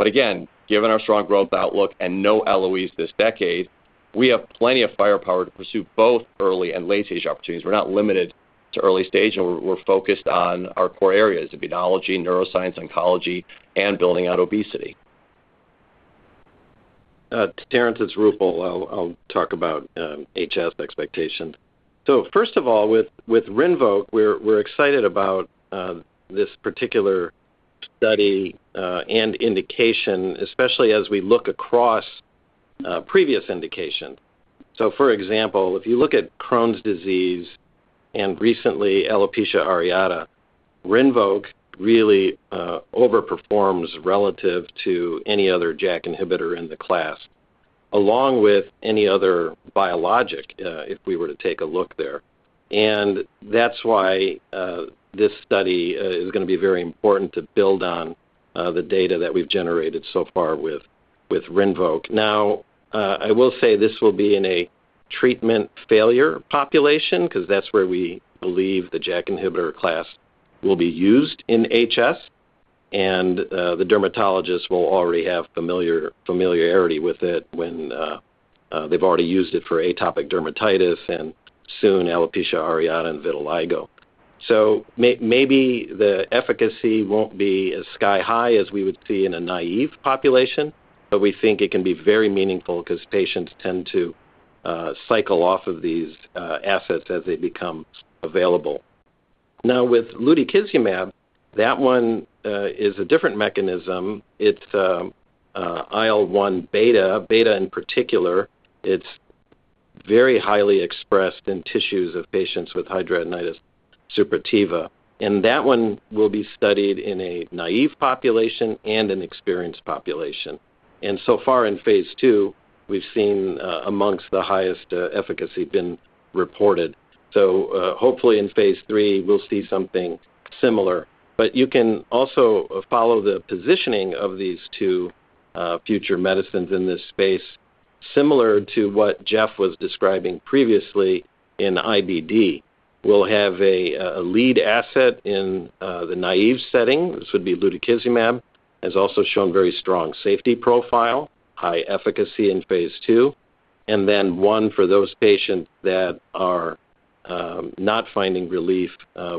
Again, given our strong growth outlook and no LOEs this decade, we have plenty of firepower to pursue both early and late-stage opportunities. We're not limited to early stage, and we're focused on our core areas: immunology, neuroscience, oncology, and building out obesity. Terence, it's Roopal. I'll talk about HS expectations. So first of all, with Rinvoq, we're excited about this particular study and indication, especially as we look across previous indications. So for example, if you look at Crohn's disease and recently alopecia areata, Rinvoq really overperforms relative to any other JAK inhibitor in the class, along with any other biologic if we were to take a look there. And that's why this study is going to be very important to build on the data that we've generated so far with Rinvoq. Now, I will say this will be in a treatment failure population because that's where we believe the JAK inhibitor class will be used in HS. The dermatologists will already have familiarity with it when they've already used it for atopic dermatitis and soon alopecia areata and vitiligo. So maybe the efficacy won't be as sky-high as we would see in a naive population, but we think it can be very meaningful because patients tend to cycle off of these assets as they become available. Now, with lutikizumab, that one is a different mechanism. It's IL-1 beta. Beta in particular, it's very highly expressed in tissues of patients with hidradenitis suppurativa. That one will be studied in a naive population and an experienced population. So far in phase two, we've seen amongst the highest efficacy been reported. Hopefully, in phase three, we'll see something similar. You can also follow the positioning of these two future medicines in this space, similar to what Jeff was describing previously in IBD. We'll have a lead asset in the naive setting. This would be lutikizumab. It has also shown very strong safety profile, high efficacy in phase two, and then one for those patients that are not finding relief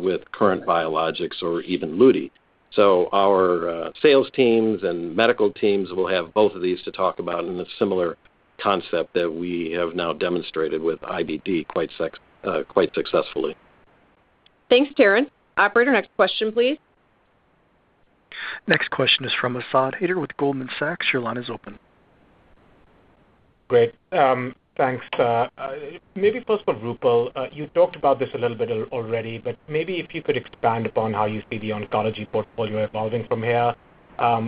with current biologics or even lutikizumab. So our sales teams and medical teams will have both of these to talk about in a similar concept that we have now demonstrated with IBD quite successfully. Thanks, Terence. Operator, next question, please. Next question is from Asad Haider with Goldman Sachs. Your line is open. Great. Thanks. Maybe first for Roopal. You talked about this a little bit already, but maybe if you could expand upon how you see the oncology portfolio evolving from here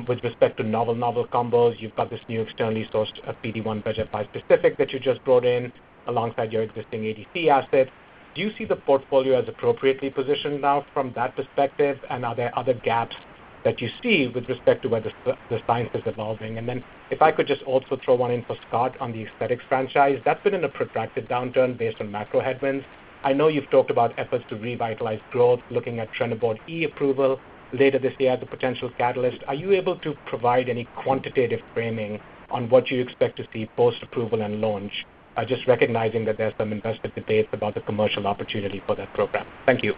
with respect to novel-novel combos. You've got this new externally sourced PD-1/VEGF bispecific that you just brought in alongside your existing ADC assets. Do you see the portfolio as appropriately positioned now from that perspective, and are there other gaps that you see with respect to where the science is evolving? And then if I could just also throw one in for Scott on the aesthetics franchise. That's been in a protracted downturn based on macro headwinds. I know you've talked about efforts to revitalize growth, looking at Trenibot E approval later this year as a potential catalyst. Are you able to provide any quantitative framing on what you expect to see post-approval and launch, just recognizing that there's some investor debates about the commercial opportunity for that program? Thank you.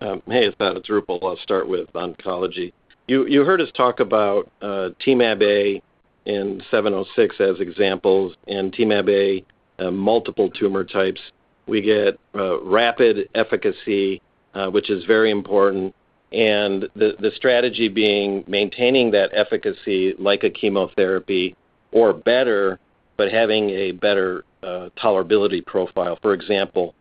Hey, Asad. It's Roopal. I'll start with oncology. You heard us talk about Temab-A and 706 as examples and Temab-A, multiple tumor types. We get rapid efficacy, which is very important, and the strategy being maintaining that efficacy like a chemotherapy or better, but having a better tolerability profile. For example,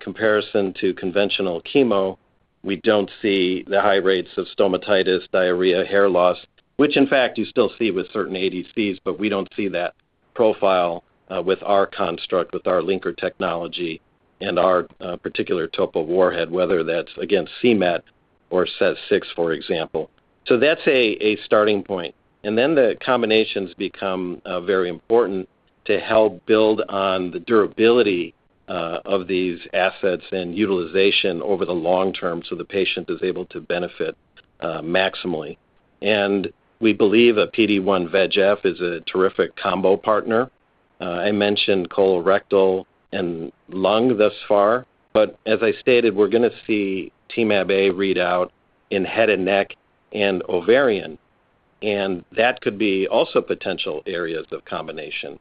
comparison to conventional chemo, we don't see the high rates of stomatitis, diarrhea, hair loss, which in fact you still see with certain ADCs, but we don't see that profile with our construct, with our linker technology, and our particular Topo warhead, whether that's, again, c-Met or SEZ6, for example. So that's a starting point. And then the combinations become very important to help build on the durability of these assets and utilization over the long term so the patient is able to benefit maximally. And we believe a PD-1/VEGF is a terrific combo partner. I mentioned colorectal and lung thus far, but as I stated, we're going to see Temab-A read out in head and neck and ovarian. That could be also potential areas of combination.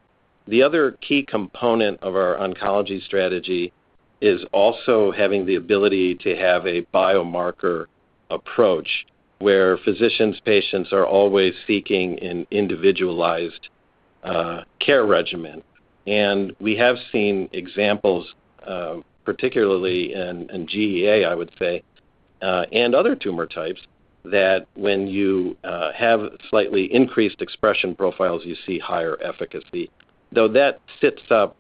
The other key component of our oncology strategy is also having the ability to have a biomarker approach where physicians, patients are always seeking an individualized care regimen. We have seen examples, particularly in GEA, I would say, and other tumor types, that when you have slightly increased expression profiles, you see higher efficacy. Though that sets up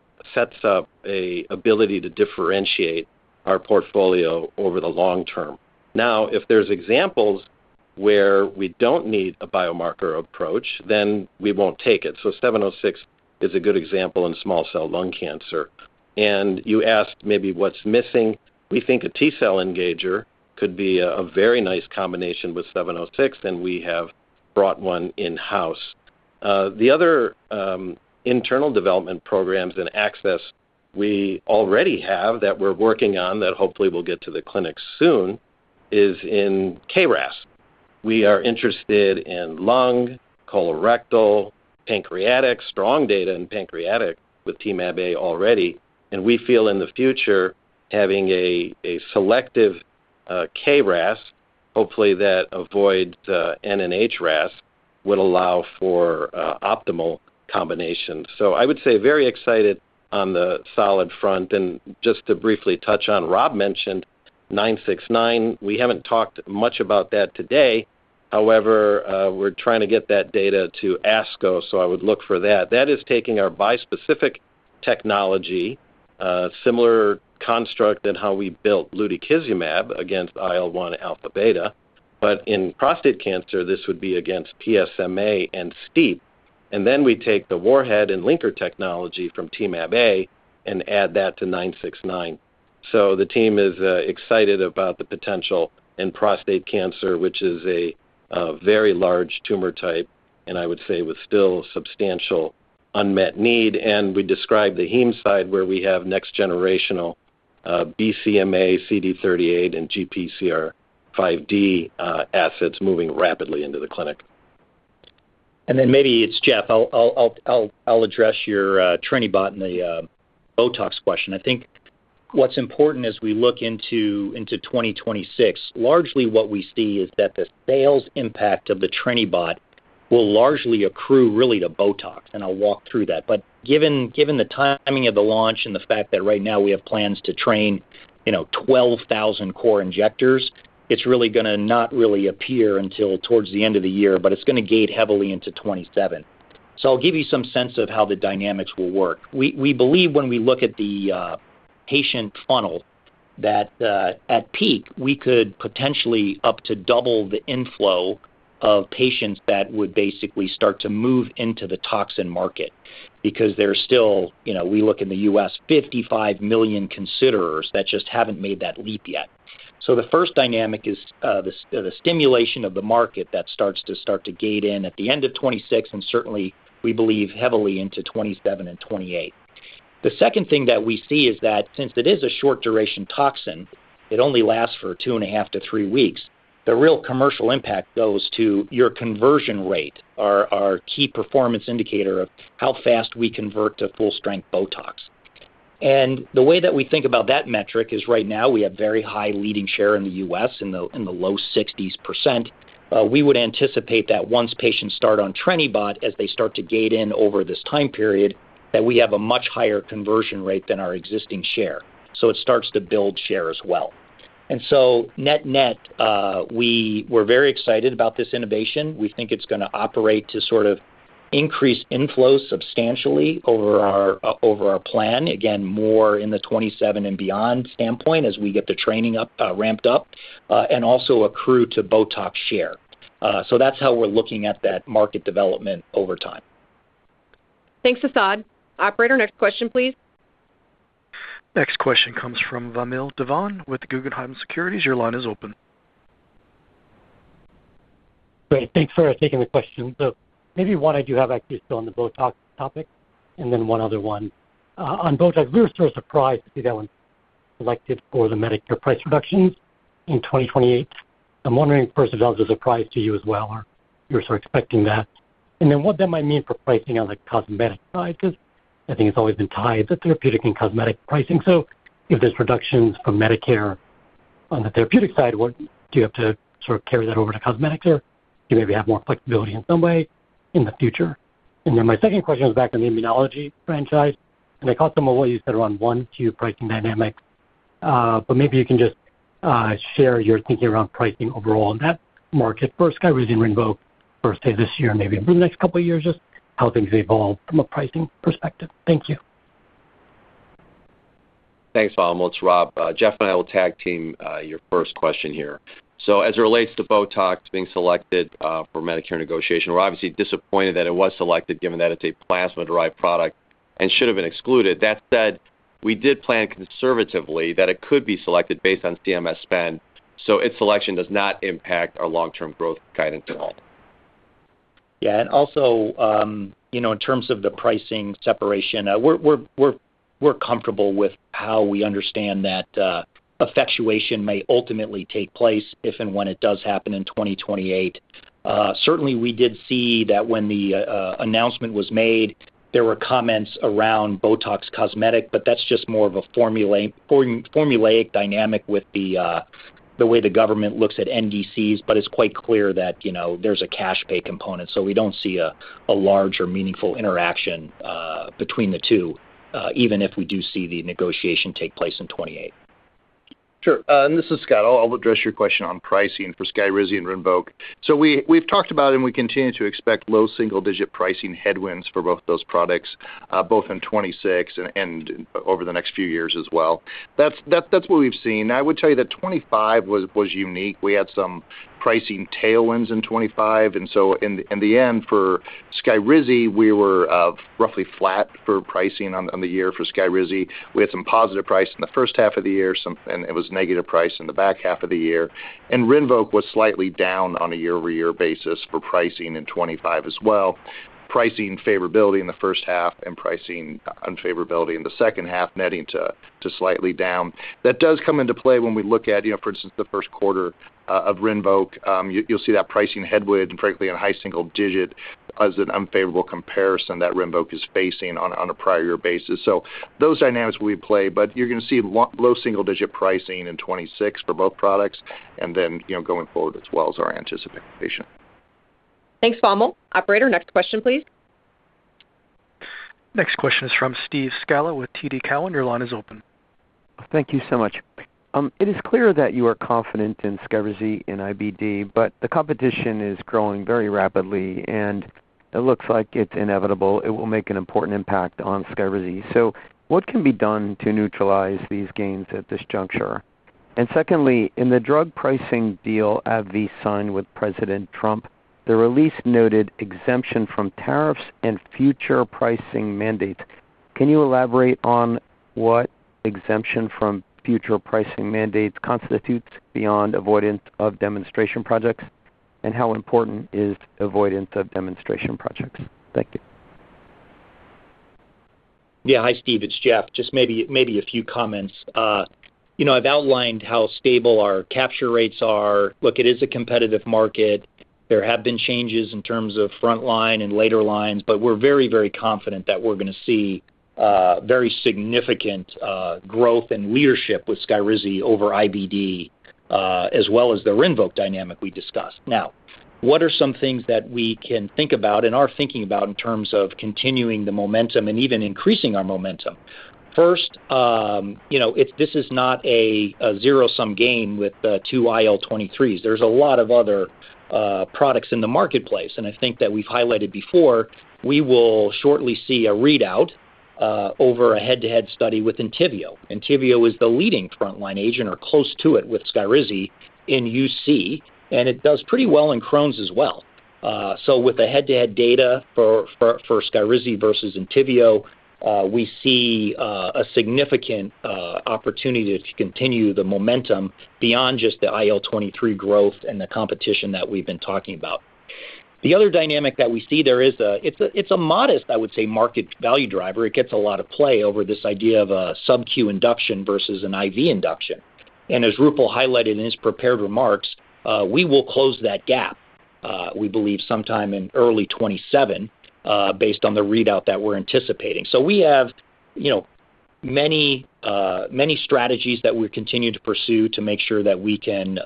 an ability to differentiate our portfolio over the long term. Now, if there's examples where we don't need a biomarker approach, then we won't take it. 706 is a good example in small cell lung cancer. You asked maybe what's missing. We think a T-cell engager could be a very nice combination with 706, and we have brought one in-house. The other internal development programs and assets we already have that we're working on that hopefully will get to the clinic soon is in KRAS. We are interested in lung, colorectal, pancreatic strong data in pancreatic with Temab-A already. And we feel in the future, having a selective KRAS, hopefully that avoids NRAS, would allow for optimal combinations. So I would say very excited on the solid front. And just to briefly touch on, Rob mentioned 969. We haven't talked much about that today. However, we're trying to get that data to ASCO, so I would look for that. That is taking our bispecific technology, similar construct than how we built lutikizumab against IL-1 alpha/beta. But in prostate cancer, this would be against PSMA and STEAP. And then we take the warhead and linker technology from Temab-A and add that to 969. So the team is excited about the potential in prostate cancer, which is a very large tumor type, and I would say with still substantial unmet need. We described the hem side where we have next-generation BCMA, CD38, and GPRC5D assets moving rapidly into the clinic. Then maybe it's Jeff. I'll address your Trenibot and the Botox question. I think what's important as we look into 2026, largely what we see is that the sales impact of the Trenibot will largely accrue really to Botox. I'll walk through that. But given the timing of the launch and the fact that right now we have plans to train 12,000 core injectors, it's really going to not really appear until towards the end of the year, but it's going to gate heavily into 2027. So I'll give you some sense of how the dynamics will work. We believe when we look at the patient funnel that at peak, we could potentially up to double the inflow of patients that would basically start to move into the toxin market because there's still we look in the U.S., 55 million considerers that just haven't made that leap yet. So the first dynamic is the stimulation of the market that starts to gate in at the end of 2026 and certainly, we believe, heavily into 2027 and 2028. The second thing that we see is that since it is a short-duration toxin, it only lasts for 2.5-3 weeks. The real commercial impact goes to your conversion rate, our key performance indicator of how fast we convert to full-strength Botox. The way that we think about that metric is right now, we have very high leading share in the U.S. in the low 60s%. We would anticipate that once patients start on Trenibot as they start to gate in over this time period, that we have a much higher conversion rate than our existing share. So it starts to build share as well. And so net-net, we're very excited about this innovation. We think it's going to operate to sort of increase inflow substantially over our plan, again, more in the 2027 and beyond standpoint as we get the training ramped up, and also accrue to Botox share. So that's how we're looking at that market development over time. Thanks, Asad. Operator, next question, please. Next question comes from Vamil Divan with Guggenheim Securities. Your line is open. Great. Thanks for taking the question. So maybe one I do have actually still on the Botox topic and then one other one. On Botox, we were sort of surprised to see that one selected for the Medicare price reductions in 2028. I'm wondering first if that was a surprise to you as well or you were sort of expecting that. And then what that might mean for pricing on the cosmetic side because I think it's always been tied to therapeutic and cosmetic pricing. So if there's reductions for Medicare on the therapeutic side, do you have to sort of carry that over to cosmetics or do you maybe have more flexibility in some way in the future? And then my second question was back on the immunology franchise. And I caught some of what you said around Rinvoq pricing dynamics, but maybe you can just share your thinking around pricing overall in that market first, kind of within Rinvoq first day this year and maybe over the next couple of years, just how things evolve from a pricing perspective. Thank you. Thanks, Vamil. It's Rob. Jeff and I will tag team your first question here. So as it relates to Botox being selected for Medicare negotiation, we're obviously disappointed that it was selected given that it's a plasma-derived product and should have been excluded. That said, we did plan conservatively that it could be selected based on CMS spend, so its selection does not impact our long-term growth guidance at all. Yeah. Also in terms of the pricing separation, we're comfortable with how we understand that effectuation may ultimately take place if and when it does happen in 2028. Certainly, we did see that when the announcement was made, there were comments around Botox Cosmetic, but that's just more of a formulaic dynamic with the way the government looks at NDCs. But it's quite clear that there's a cash-pay component. So we don't see a large or meaningful interaction between the two, even if we do see the negotiation take place in 2028. Sure. This is Scott. I'll address your question on pricing for Skyrizi and Rinvoq. So we've talked about and we continue to expect low single-digit pricing headwinds for both those products, both in 2026 and over the next few years as well. That's what we've seen. I would tell you that 2025 was unique. We had some pricing tailwinds in 2025. And so in the end, for Skyrizi, we were roughly flat for pricing on the year for Skyrizi. We had some positive price in the first half of the year, and it was negative price in the back half of the year. And Rinvoq was slightly down on a year-over-year basis for pricing in 2025 as well, pricing favorability in the first half and pricing unfavorability in the second half, netting to slightly down. That does come into play when we look at, for instance, the first quarter of Rinvoq. You'll see that pricing headwind, frankly, on high single digit as an unfavorable comparison that Rinvoq is facing on a prior year basis. So those dynamics will play, but you're going to see low single-digit pricing in 2026 for both products and then going forward as well as our anticipation. Thanks, Vamil. Operator, next question, please. Next question is from Steve Scala with TD Cowen. Your line is open. Thank you so much. It is clear that you are confident in Skyrizi and IBD, but the competition is growing very rapidly, and it looks like it's inevitable it will make an important impact on Skyrizi. So what can be done to neutralize these gains at this juncture? And secondly, in the drug pricing deal AbbVie signed with President Trump, the release noted exemption from tariffs and future pricing mandates. Can you elaborate on what exemption from future pricing mandates constitutes beyond avoidance of demonstration projects and how important is avoidance of demonstration projects? Thank you. Yeah. Hi, Steve. It's Jeff. Just maybe a few comments. I've outlined how stable our capture rates are. Look, it is a competitive market. There have been changes in terms of frontline and later lines, but we're very, very confident that we're going to see very significant growth and leadership with Skyrizi over IBD as well as the Rinvoq dynamic we discussed. Now, what are some things that we can think about and are thinking about in terms of continuing the momentum and even increasing our momentum? First, this is not a zero-sum game with two IL-23s. There's a lot of other products in the marketplace. And I think that we've highlighted before, we will shortly see a readout over a head-to-head study with Entyvio. Entyvio is the leading frontline agent or close to it with Skyrizi in UC, and it does pretty well in Crohn's as well. So with the head-to-head data for Skyrizi versus Entyvio, we see a significant opportunity to continue the momentum beyond just the IL-23 growth and the competition that we've been talking about. The other dynamic that we see there is it's a modest, I would say, market value driver. It gets a lot of play over this idea of a subcutaneous induction versus an IV induction. And as Roopal highlighted in his prepared remarks, we will close that gap, we believe, sometime in early 2027 based on the readout that we're anticipating. So we have many strategies that we continue to pursue to make sure that we can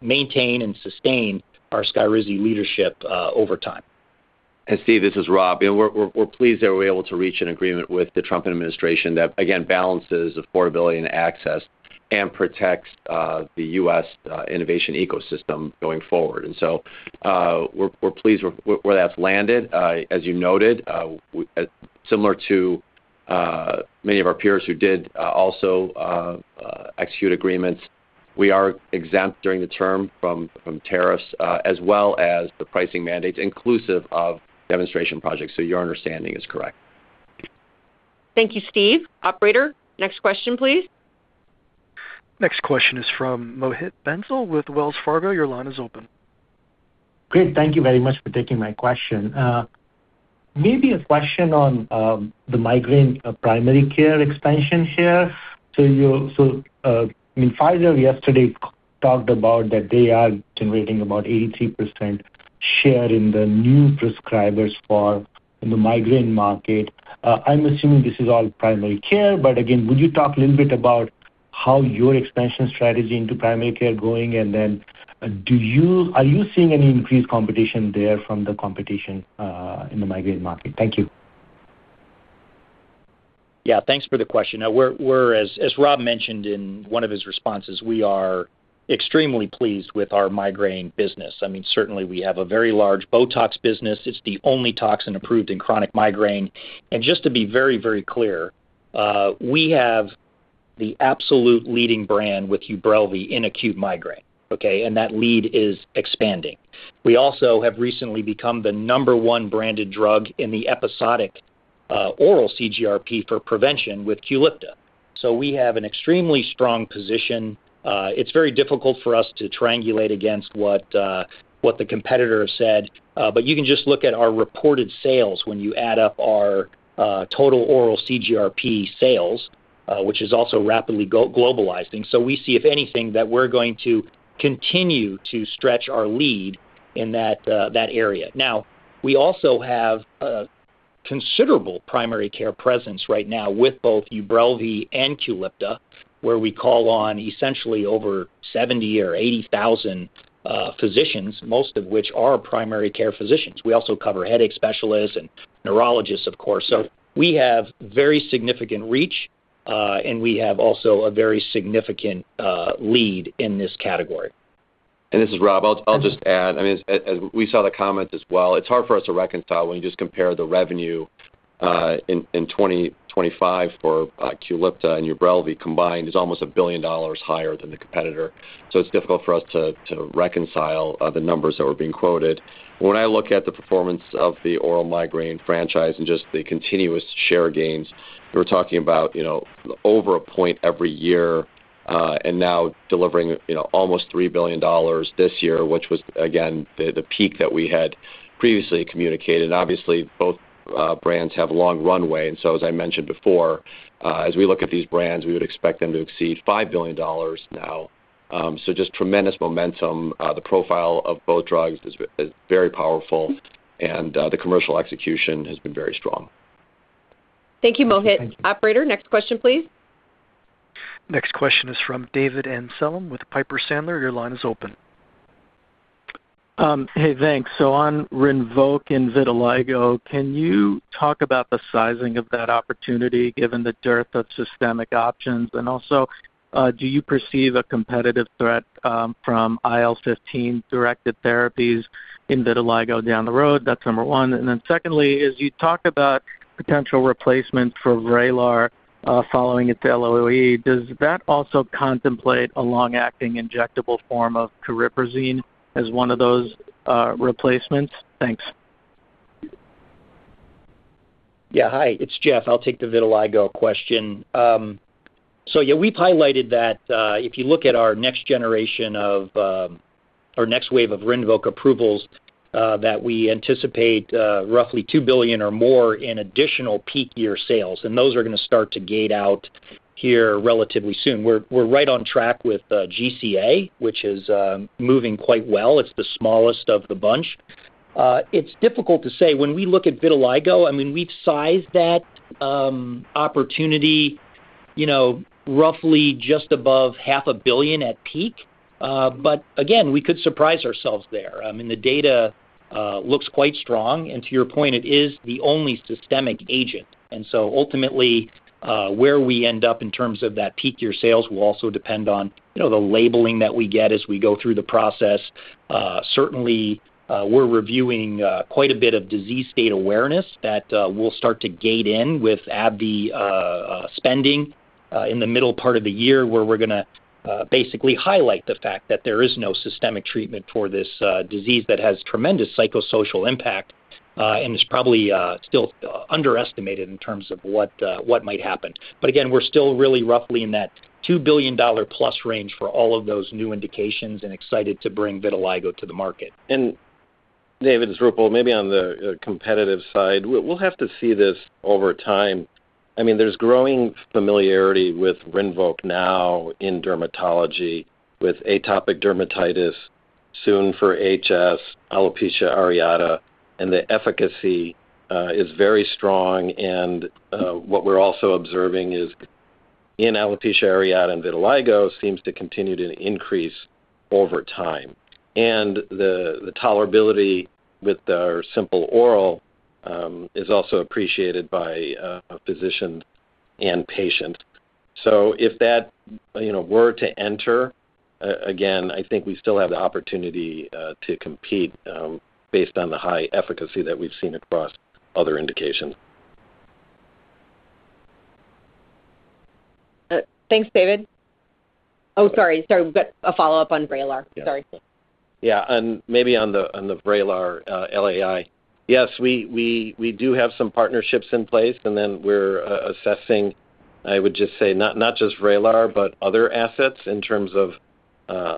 maintain and sustain our Skyrizi leadership over time. And Steve, this is Rob. We're pleased that we were able to reach an agreement with the Trump administration that, again, balances affordability and access and protects the U.S. innovation ecosystem going forward. And so we're pleased where that's landed. As you noted, similar to many of our peers who did also execute agreements, we are exempt during the term from tariffs as well as the pricing mandates inclusive of demonstration projects. So your understanding is correct. Thank you, Steve. Operator, next question, please. Next question is from Mohit Bansal with Wells Fargo. Your line is open. Great. Thank you very much for taking my question. Maybe a question on the migraine primary care expansion here. So I mean, Pfizer yesterday talked about that they are generating about 83% share in the new prescribers in the migraine market. I'm assuming this is all primary care, but again, would you talk a little bit about how your expansion strategy into primary care is going? And then are you seeing any increased competition there from the competition in the migraine market? Thank you. Yeah. Thanks for the question. Now, as Rob mentioned in one of his responses, we are extremely pleased with our migraine business. I mean, certainly, we have a very large Botox business. It's the only toxin approved in chronic migraine. And just to be very, very clear, we have the absolute leading brand with Ubrelvy in acute migraine, okay? And that lead is expanding. We also have recently become the number one branded drug in the episodic oral CGRP for prevention with Qulipta. So we have an extremely strong position. It's very difficult for us to triangulate against what the competitor has said, but you can just look at our reported sales when you add up our total oral CGRP sales, which is also rapidly globalizing. So we see, if anything, that we're going to continue to stretch our lead in that area. Now, we also have a considerable primary care presence right now with both Ubrelvy and Qulipta, where we call on essentially over 70,000 or 80,000 physicians, most of which are primary care physicians. We also cover headache specialists and neurologists, of course. So we have very significant reach, and we have also a very significant lead in this category. And this is Rob. I'll just add, I mean, as we saw the comments as well, it's hard for us to reconcile when you just compare the revenue in 2025 for Qulipta and Ubrelvy combined. It's almost $1 billion higher than the competitor. So it's difficult for us to reconcile the numbers that were being quoted. When I look at the performance of the oral migraine franchise and just the continuous share gains, we were talking about over a point every year and now delivering almost $3 billion this year, which was, again, the peak that we had previously communicated. Obviously, both brands have a long runway. And so, as I mentioned before, as we look at these brands, we would expect them to exceed $5 billion now. So just tremendous momentum. The profile of both drugs is very powerful, and the commercial execution has been very strong. Thank you, Mohit. Operator, next question, please. Next question is from David Amsellem with Piper Sandler. Your line is open. Hey, thanks. So on Rinvoq and vitiligo, can you talk about the sizing of that opportunity given the dearth of systemic options? And also, do you perceive a competitive threat from IL-15 directed therapies in vitiligo down the road? That's number one. And then secondly, as you talk about potential replacements for Vraylar following its LOE, does that also contemplate a long-acting injectable form of cariprazine as one of those replacements? Thanks. Yeah. Hi. It's Jeff. I'll take the vitiligo question. So yeah, we've highlighted that if you look at our next generation of or next wave of Rinvoq approvals, that we anticipate roughly $2 billion or more in additional peak-year sales. And those are going to start to gate out here relatively soon. We're right on track with GCA, which is moving quite well. It's the smallest of the bunch. It's difficult to say. When we look at vitiligo, I mean, we've sized that opportunity roughly just above $500 million at peak. But again, we could surprise ourselves there. I mean, the data looks quite strong. And to your point, it is the only systemic agent. And so ultimately, where we end up in terms of that peak-year sales will also depend on the labeling that we get as we go through the process. Certainly, we're reviewing quite a bit of disease state awareness that will start to gate in with AbbVie spending in the middle part of the year where we're going to basically highlight the fact that there is no systemic treatment for this disease that has tremendous psychosocial impact and is probably still underestimated in terms of what might happen. But again, we're still really roughly in that $2 billion+ range for all of those new indications and excited to bring Vitiligo to the market. And David, it's Roopal. Maybe on the competitive side, we'll have to see this over time. I mean, there's growing familiarity with Rinvoq now in dermatology with atopic dermatitis, soon for HS, alopecia areata, and the efficacy is very strong. And what we're also observing is in alopecia areata and vitiligo seems to continue to increase over time. And the tolerability with our simple oral is also appreciated by physicians and patients. So if that were to enter, again, I think we still have the opportunity to compete based on the high efficacy that we've seen across other indications. Thanks, David. Oh, sorry. Sorry. We've got a follow-up on Vraylar. Sorry. Yeah. And maybe on the Vraylar LAI. Yes, we do have some partnerships in place. And then we're assessing, I would just say, not just Vraylar, but other assets in terms of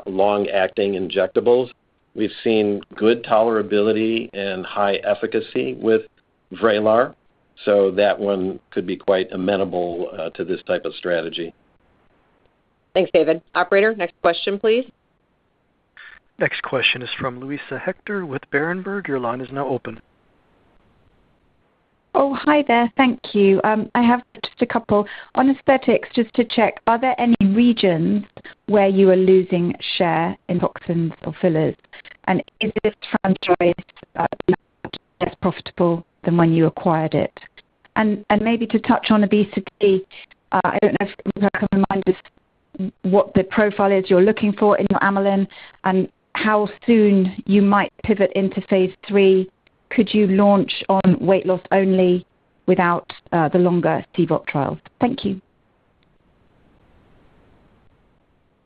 long-acting injectables. We've seen good tolerability and high efficacy with Vraylar. So that one could be quite amenable to this type of strategy. Thanks, David. Operator, next question, please. Next question is from Luisa Hector with Berenberg. Your line is now open. Oh, hi there. Thank you. I have just a couple. On aesthetics, just to check, are there any regions where you are losing share in toxins or fillers? And is this franchise less profitable than when you acquired it? And maybe to touch on obesity, I don't know if Roopal can remind us what the profile is you're looking for in your amylin and how soon you might pivot into phase III. Could you launch on weight loss only without the longer CVOT trials? Thank you.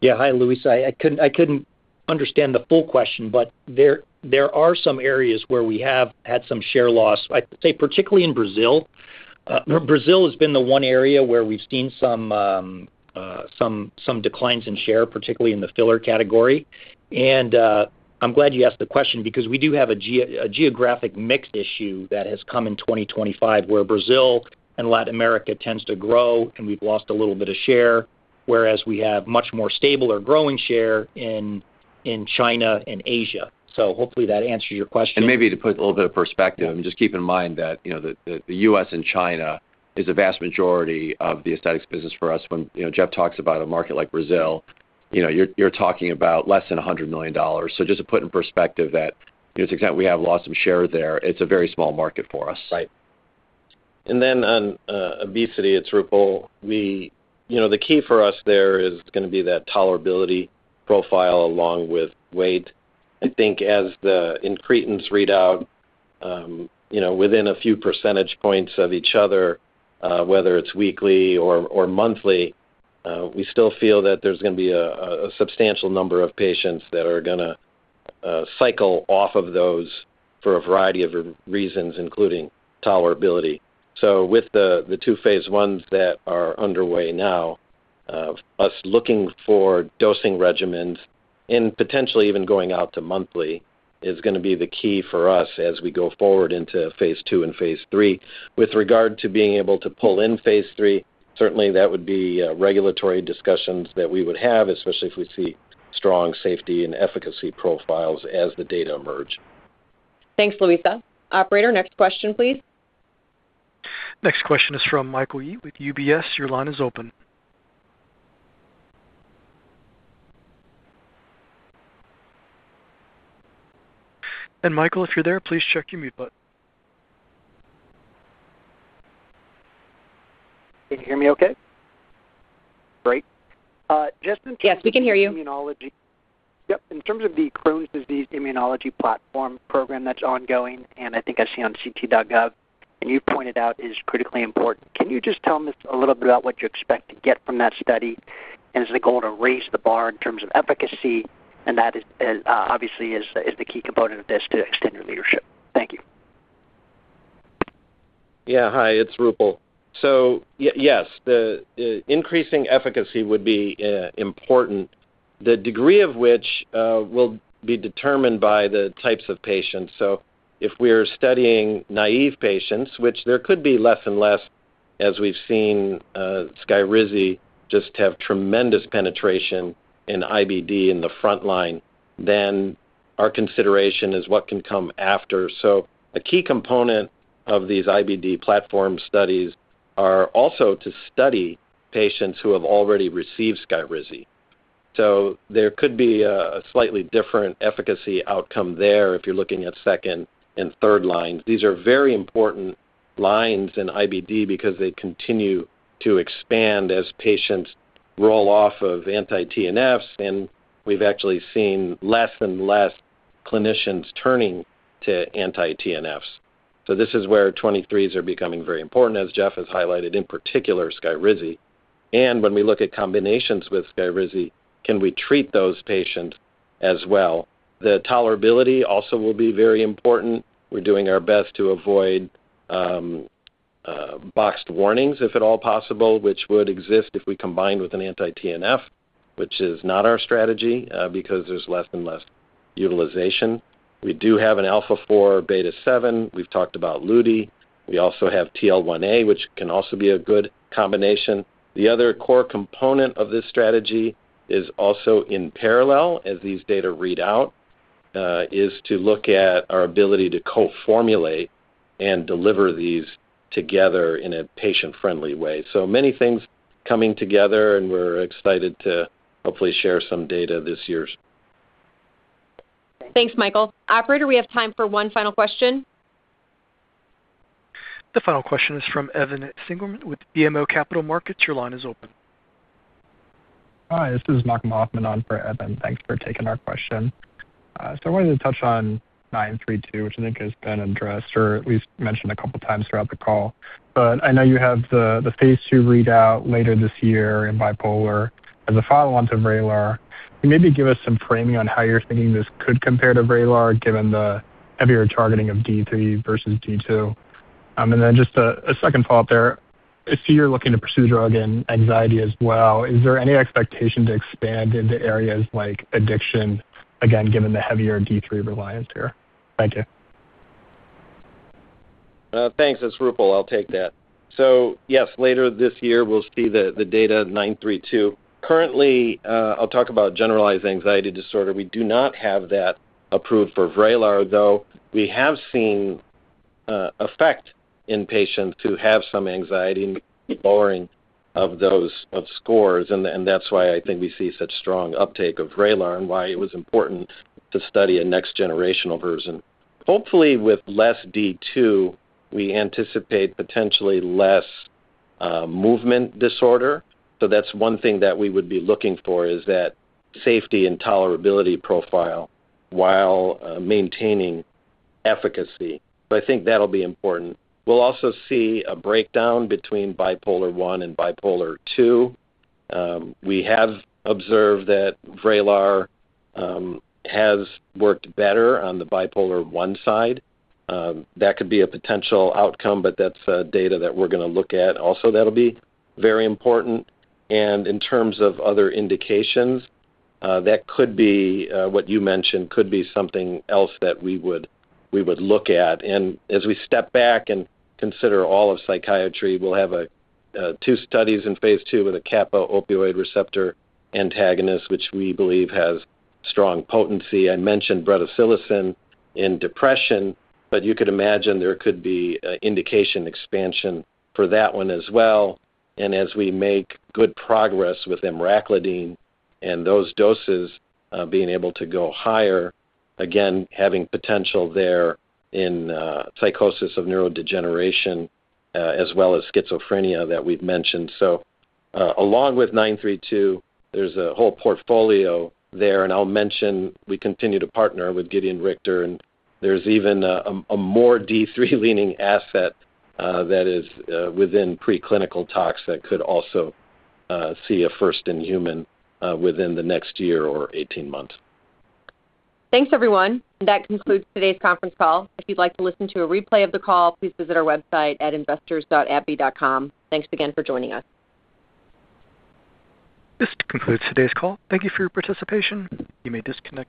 Yeah. Hi, Luisa. I couldn't understand the full question, but there are some areas where we have had some share loss, I'd say, particularly in Brazil. Brazil has been the one area where we've seen some declines in share, particularly in the filler category. I'm glad you asked the question because we do have a geographic mix issue that has come in 2025 where Brazil and Latin America tends to grow, and we've lost a little bit of share, whereas we have much more stable or growing share in China and Asia. So hopefully, that answers your question. And maybe to put a little bit of perspective, I mean, just keep in mind that the U.S. and China is a vast majority of the aesthetics business for us. When Jeff talks about a market like Brazil, you're talking about less than $100 million. So just to put in perspective, that to the extent we have lost some share there, it's a very small market for us. Right. And then on obesity, it's Roopal. The key for us there is going to be that tolerability profile along with weight. I think as the increases readout within a few percentage points of each other, whether it's weekly or monthly, we still feel that there's going to be a substantial number of patients that are going to cycle off of those for a variety of reasons, including tolerability. So with the 2 phase Is that are underway now, us looking for dosing regimens and potentially even going out to monthly is going to be the key for us as we go forward into phase II and phase III. With regard to being able to pull in phase III, certainly, that would be regulatory discussions that we would have, especially if we see strong safety and efficacy profiles as the data emerge. Thanks, Luisa. Operator, next question, please. Next question is from Michael Yee with UBS. Your line is open. And Michael, if you're there, please check your mute button. Can you hear me okay? Great. Justin. Yes, we can hear you. Yep. In terms of the Crohn's disease immunology platform program that's ongoing, and I think I see on ct.gov, and you've pointed out is critically important, can you just tell us a little bit about what you expect to get from that study? And is the goal to raise the bar in terms of efficacy? And that obviously is the key component of this to extend your leadership. Thank you. Yeah. Hi. It's Roopal. So yes, the increasing efficacy would be important, the degree of which will be determined by the types of patients. So if we're studying naive patients, which there could be less and less as we've seen Skyrizi just have tremendous penetration in IBD in the front line, then our consideration is what can come after. So a key component of these IBD platform studies are also to study patients who have already received Skyrizi. So there could be a slightly different efficacy outcome there if you're looking at second and third lines. These are very important lines in IBD because they continue to expand as patients roll off of anti-TNFs. And we've actually seen less and less clinicians turning to anti-TNFs. So this is where 23s are becoming very important, as Jeff has highlighted, in particular Skyrizi. And when we look at combinations with Skyrizi, can we treat those patients as well? The tolerability also will be very important. We're doing our best to avoid boxed warnings, if at all possible, which would exist if we combined with an anti-TNF, which is not our strategy because there's less and less utilization. We do have an alpha-4 beta-7. We've talked about LUDI. We also have TL1A, which can also be a good combination. The other core component of this strategy is also in parallel as these data read out is to look at our ability to co-formulate and deliver these together in a patient-friendly way. So many things coming together, and we're excited to hopefully share some data this year. Thanks, Michael. Operator, we have time for one final question. The final question is from Evan Seigerman with BMO Capital Markets. Your line is open. Hi. This is Mark Hoffman on for Evan. Thanks for taking our question. So I wanted to touch on 932, which I think has been addressed or at least mentioned a couple of times throughout the call. But I know you have the phase II readout later this year in Bipolar as a follow-on to Vraylar. Can you maybe give us some framing on how you're thinking this could compare to Vraylar given the heavier targeting of D3 versus D2? And then just a second follow-up there. I see you're looking to pursue drug in anxiety as well. Is there any expectation to expand into areas like addiction, again, given the heavier D3 reliance here? Thank you. Thanks. It's Roopal. I'll take that. So yes, later this year, we'll see the data 932. Currently, I'll talk about generalized anxiety disorder. We do not have that approved for Vraylar, though we have seen effect in patients who have some anxiety and lowering of those scores. And that's why I think we see such strong uptake of Vraylar and why it was important to study a next-generational version. Hopefully, with less D2, we anticipate potentially less movement disorder. So that's one thing that we would be looking for, is that safety and tolerability profile while maintaining efficacy. So I think that'll be important. We'll also see a breakdown between Bipolar 1 and Bipolar 2. We have observed that Vraylar has worked better on the Bipolar 1 side. That could be a potential outcome, but that's data that we're going to look at. Also, that'll be very important. And in terms of other indications, that could be what you mentioned could be something else that we would look at. And as we step back and consider all of psychiatry, we'll have 2 studies in phase II with a kappa opioid receptor antagonist, which we believe has strong potency. I mentioned Bretisilocin in depression, but you could imagine there could be indication expansion for that one as well. And as we make good progress with Emraclidine and those doses being able to go higher, again, having potential there in psychosis of neurodegeneration as well as schizophrenia that we've mentioned. So along with 932, there's a whole portfolio there. And I'll mention we continue to partner with Gedeon Richter. And there's even a more D3-leaning asset that is within preclinical tox that could also see a first-in-human within the next year or 18 months. Thanks, everyone. And that concludes today's conference call. If you'd like to listen to a replay of the call, please visit our website at investors.abbvie.com. Thanks again for joining us. This concludes today's call. Thank you for your participation. You may disconnect.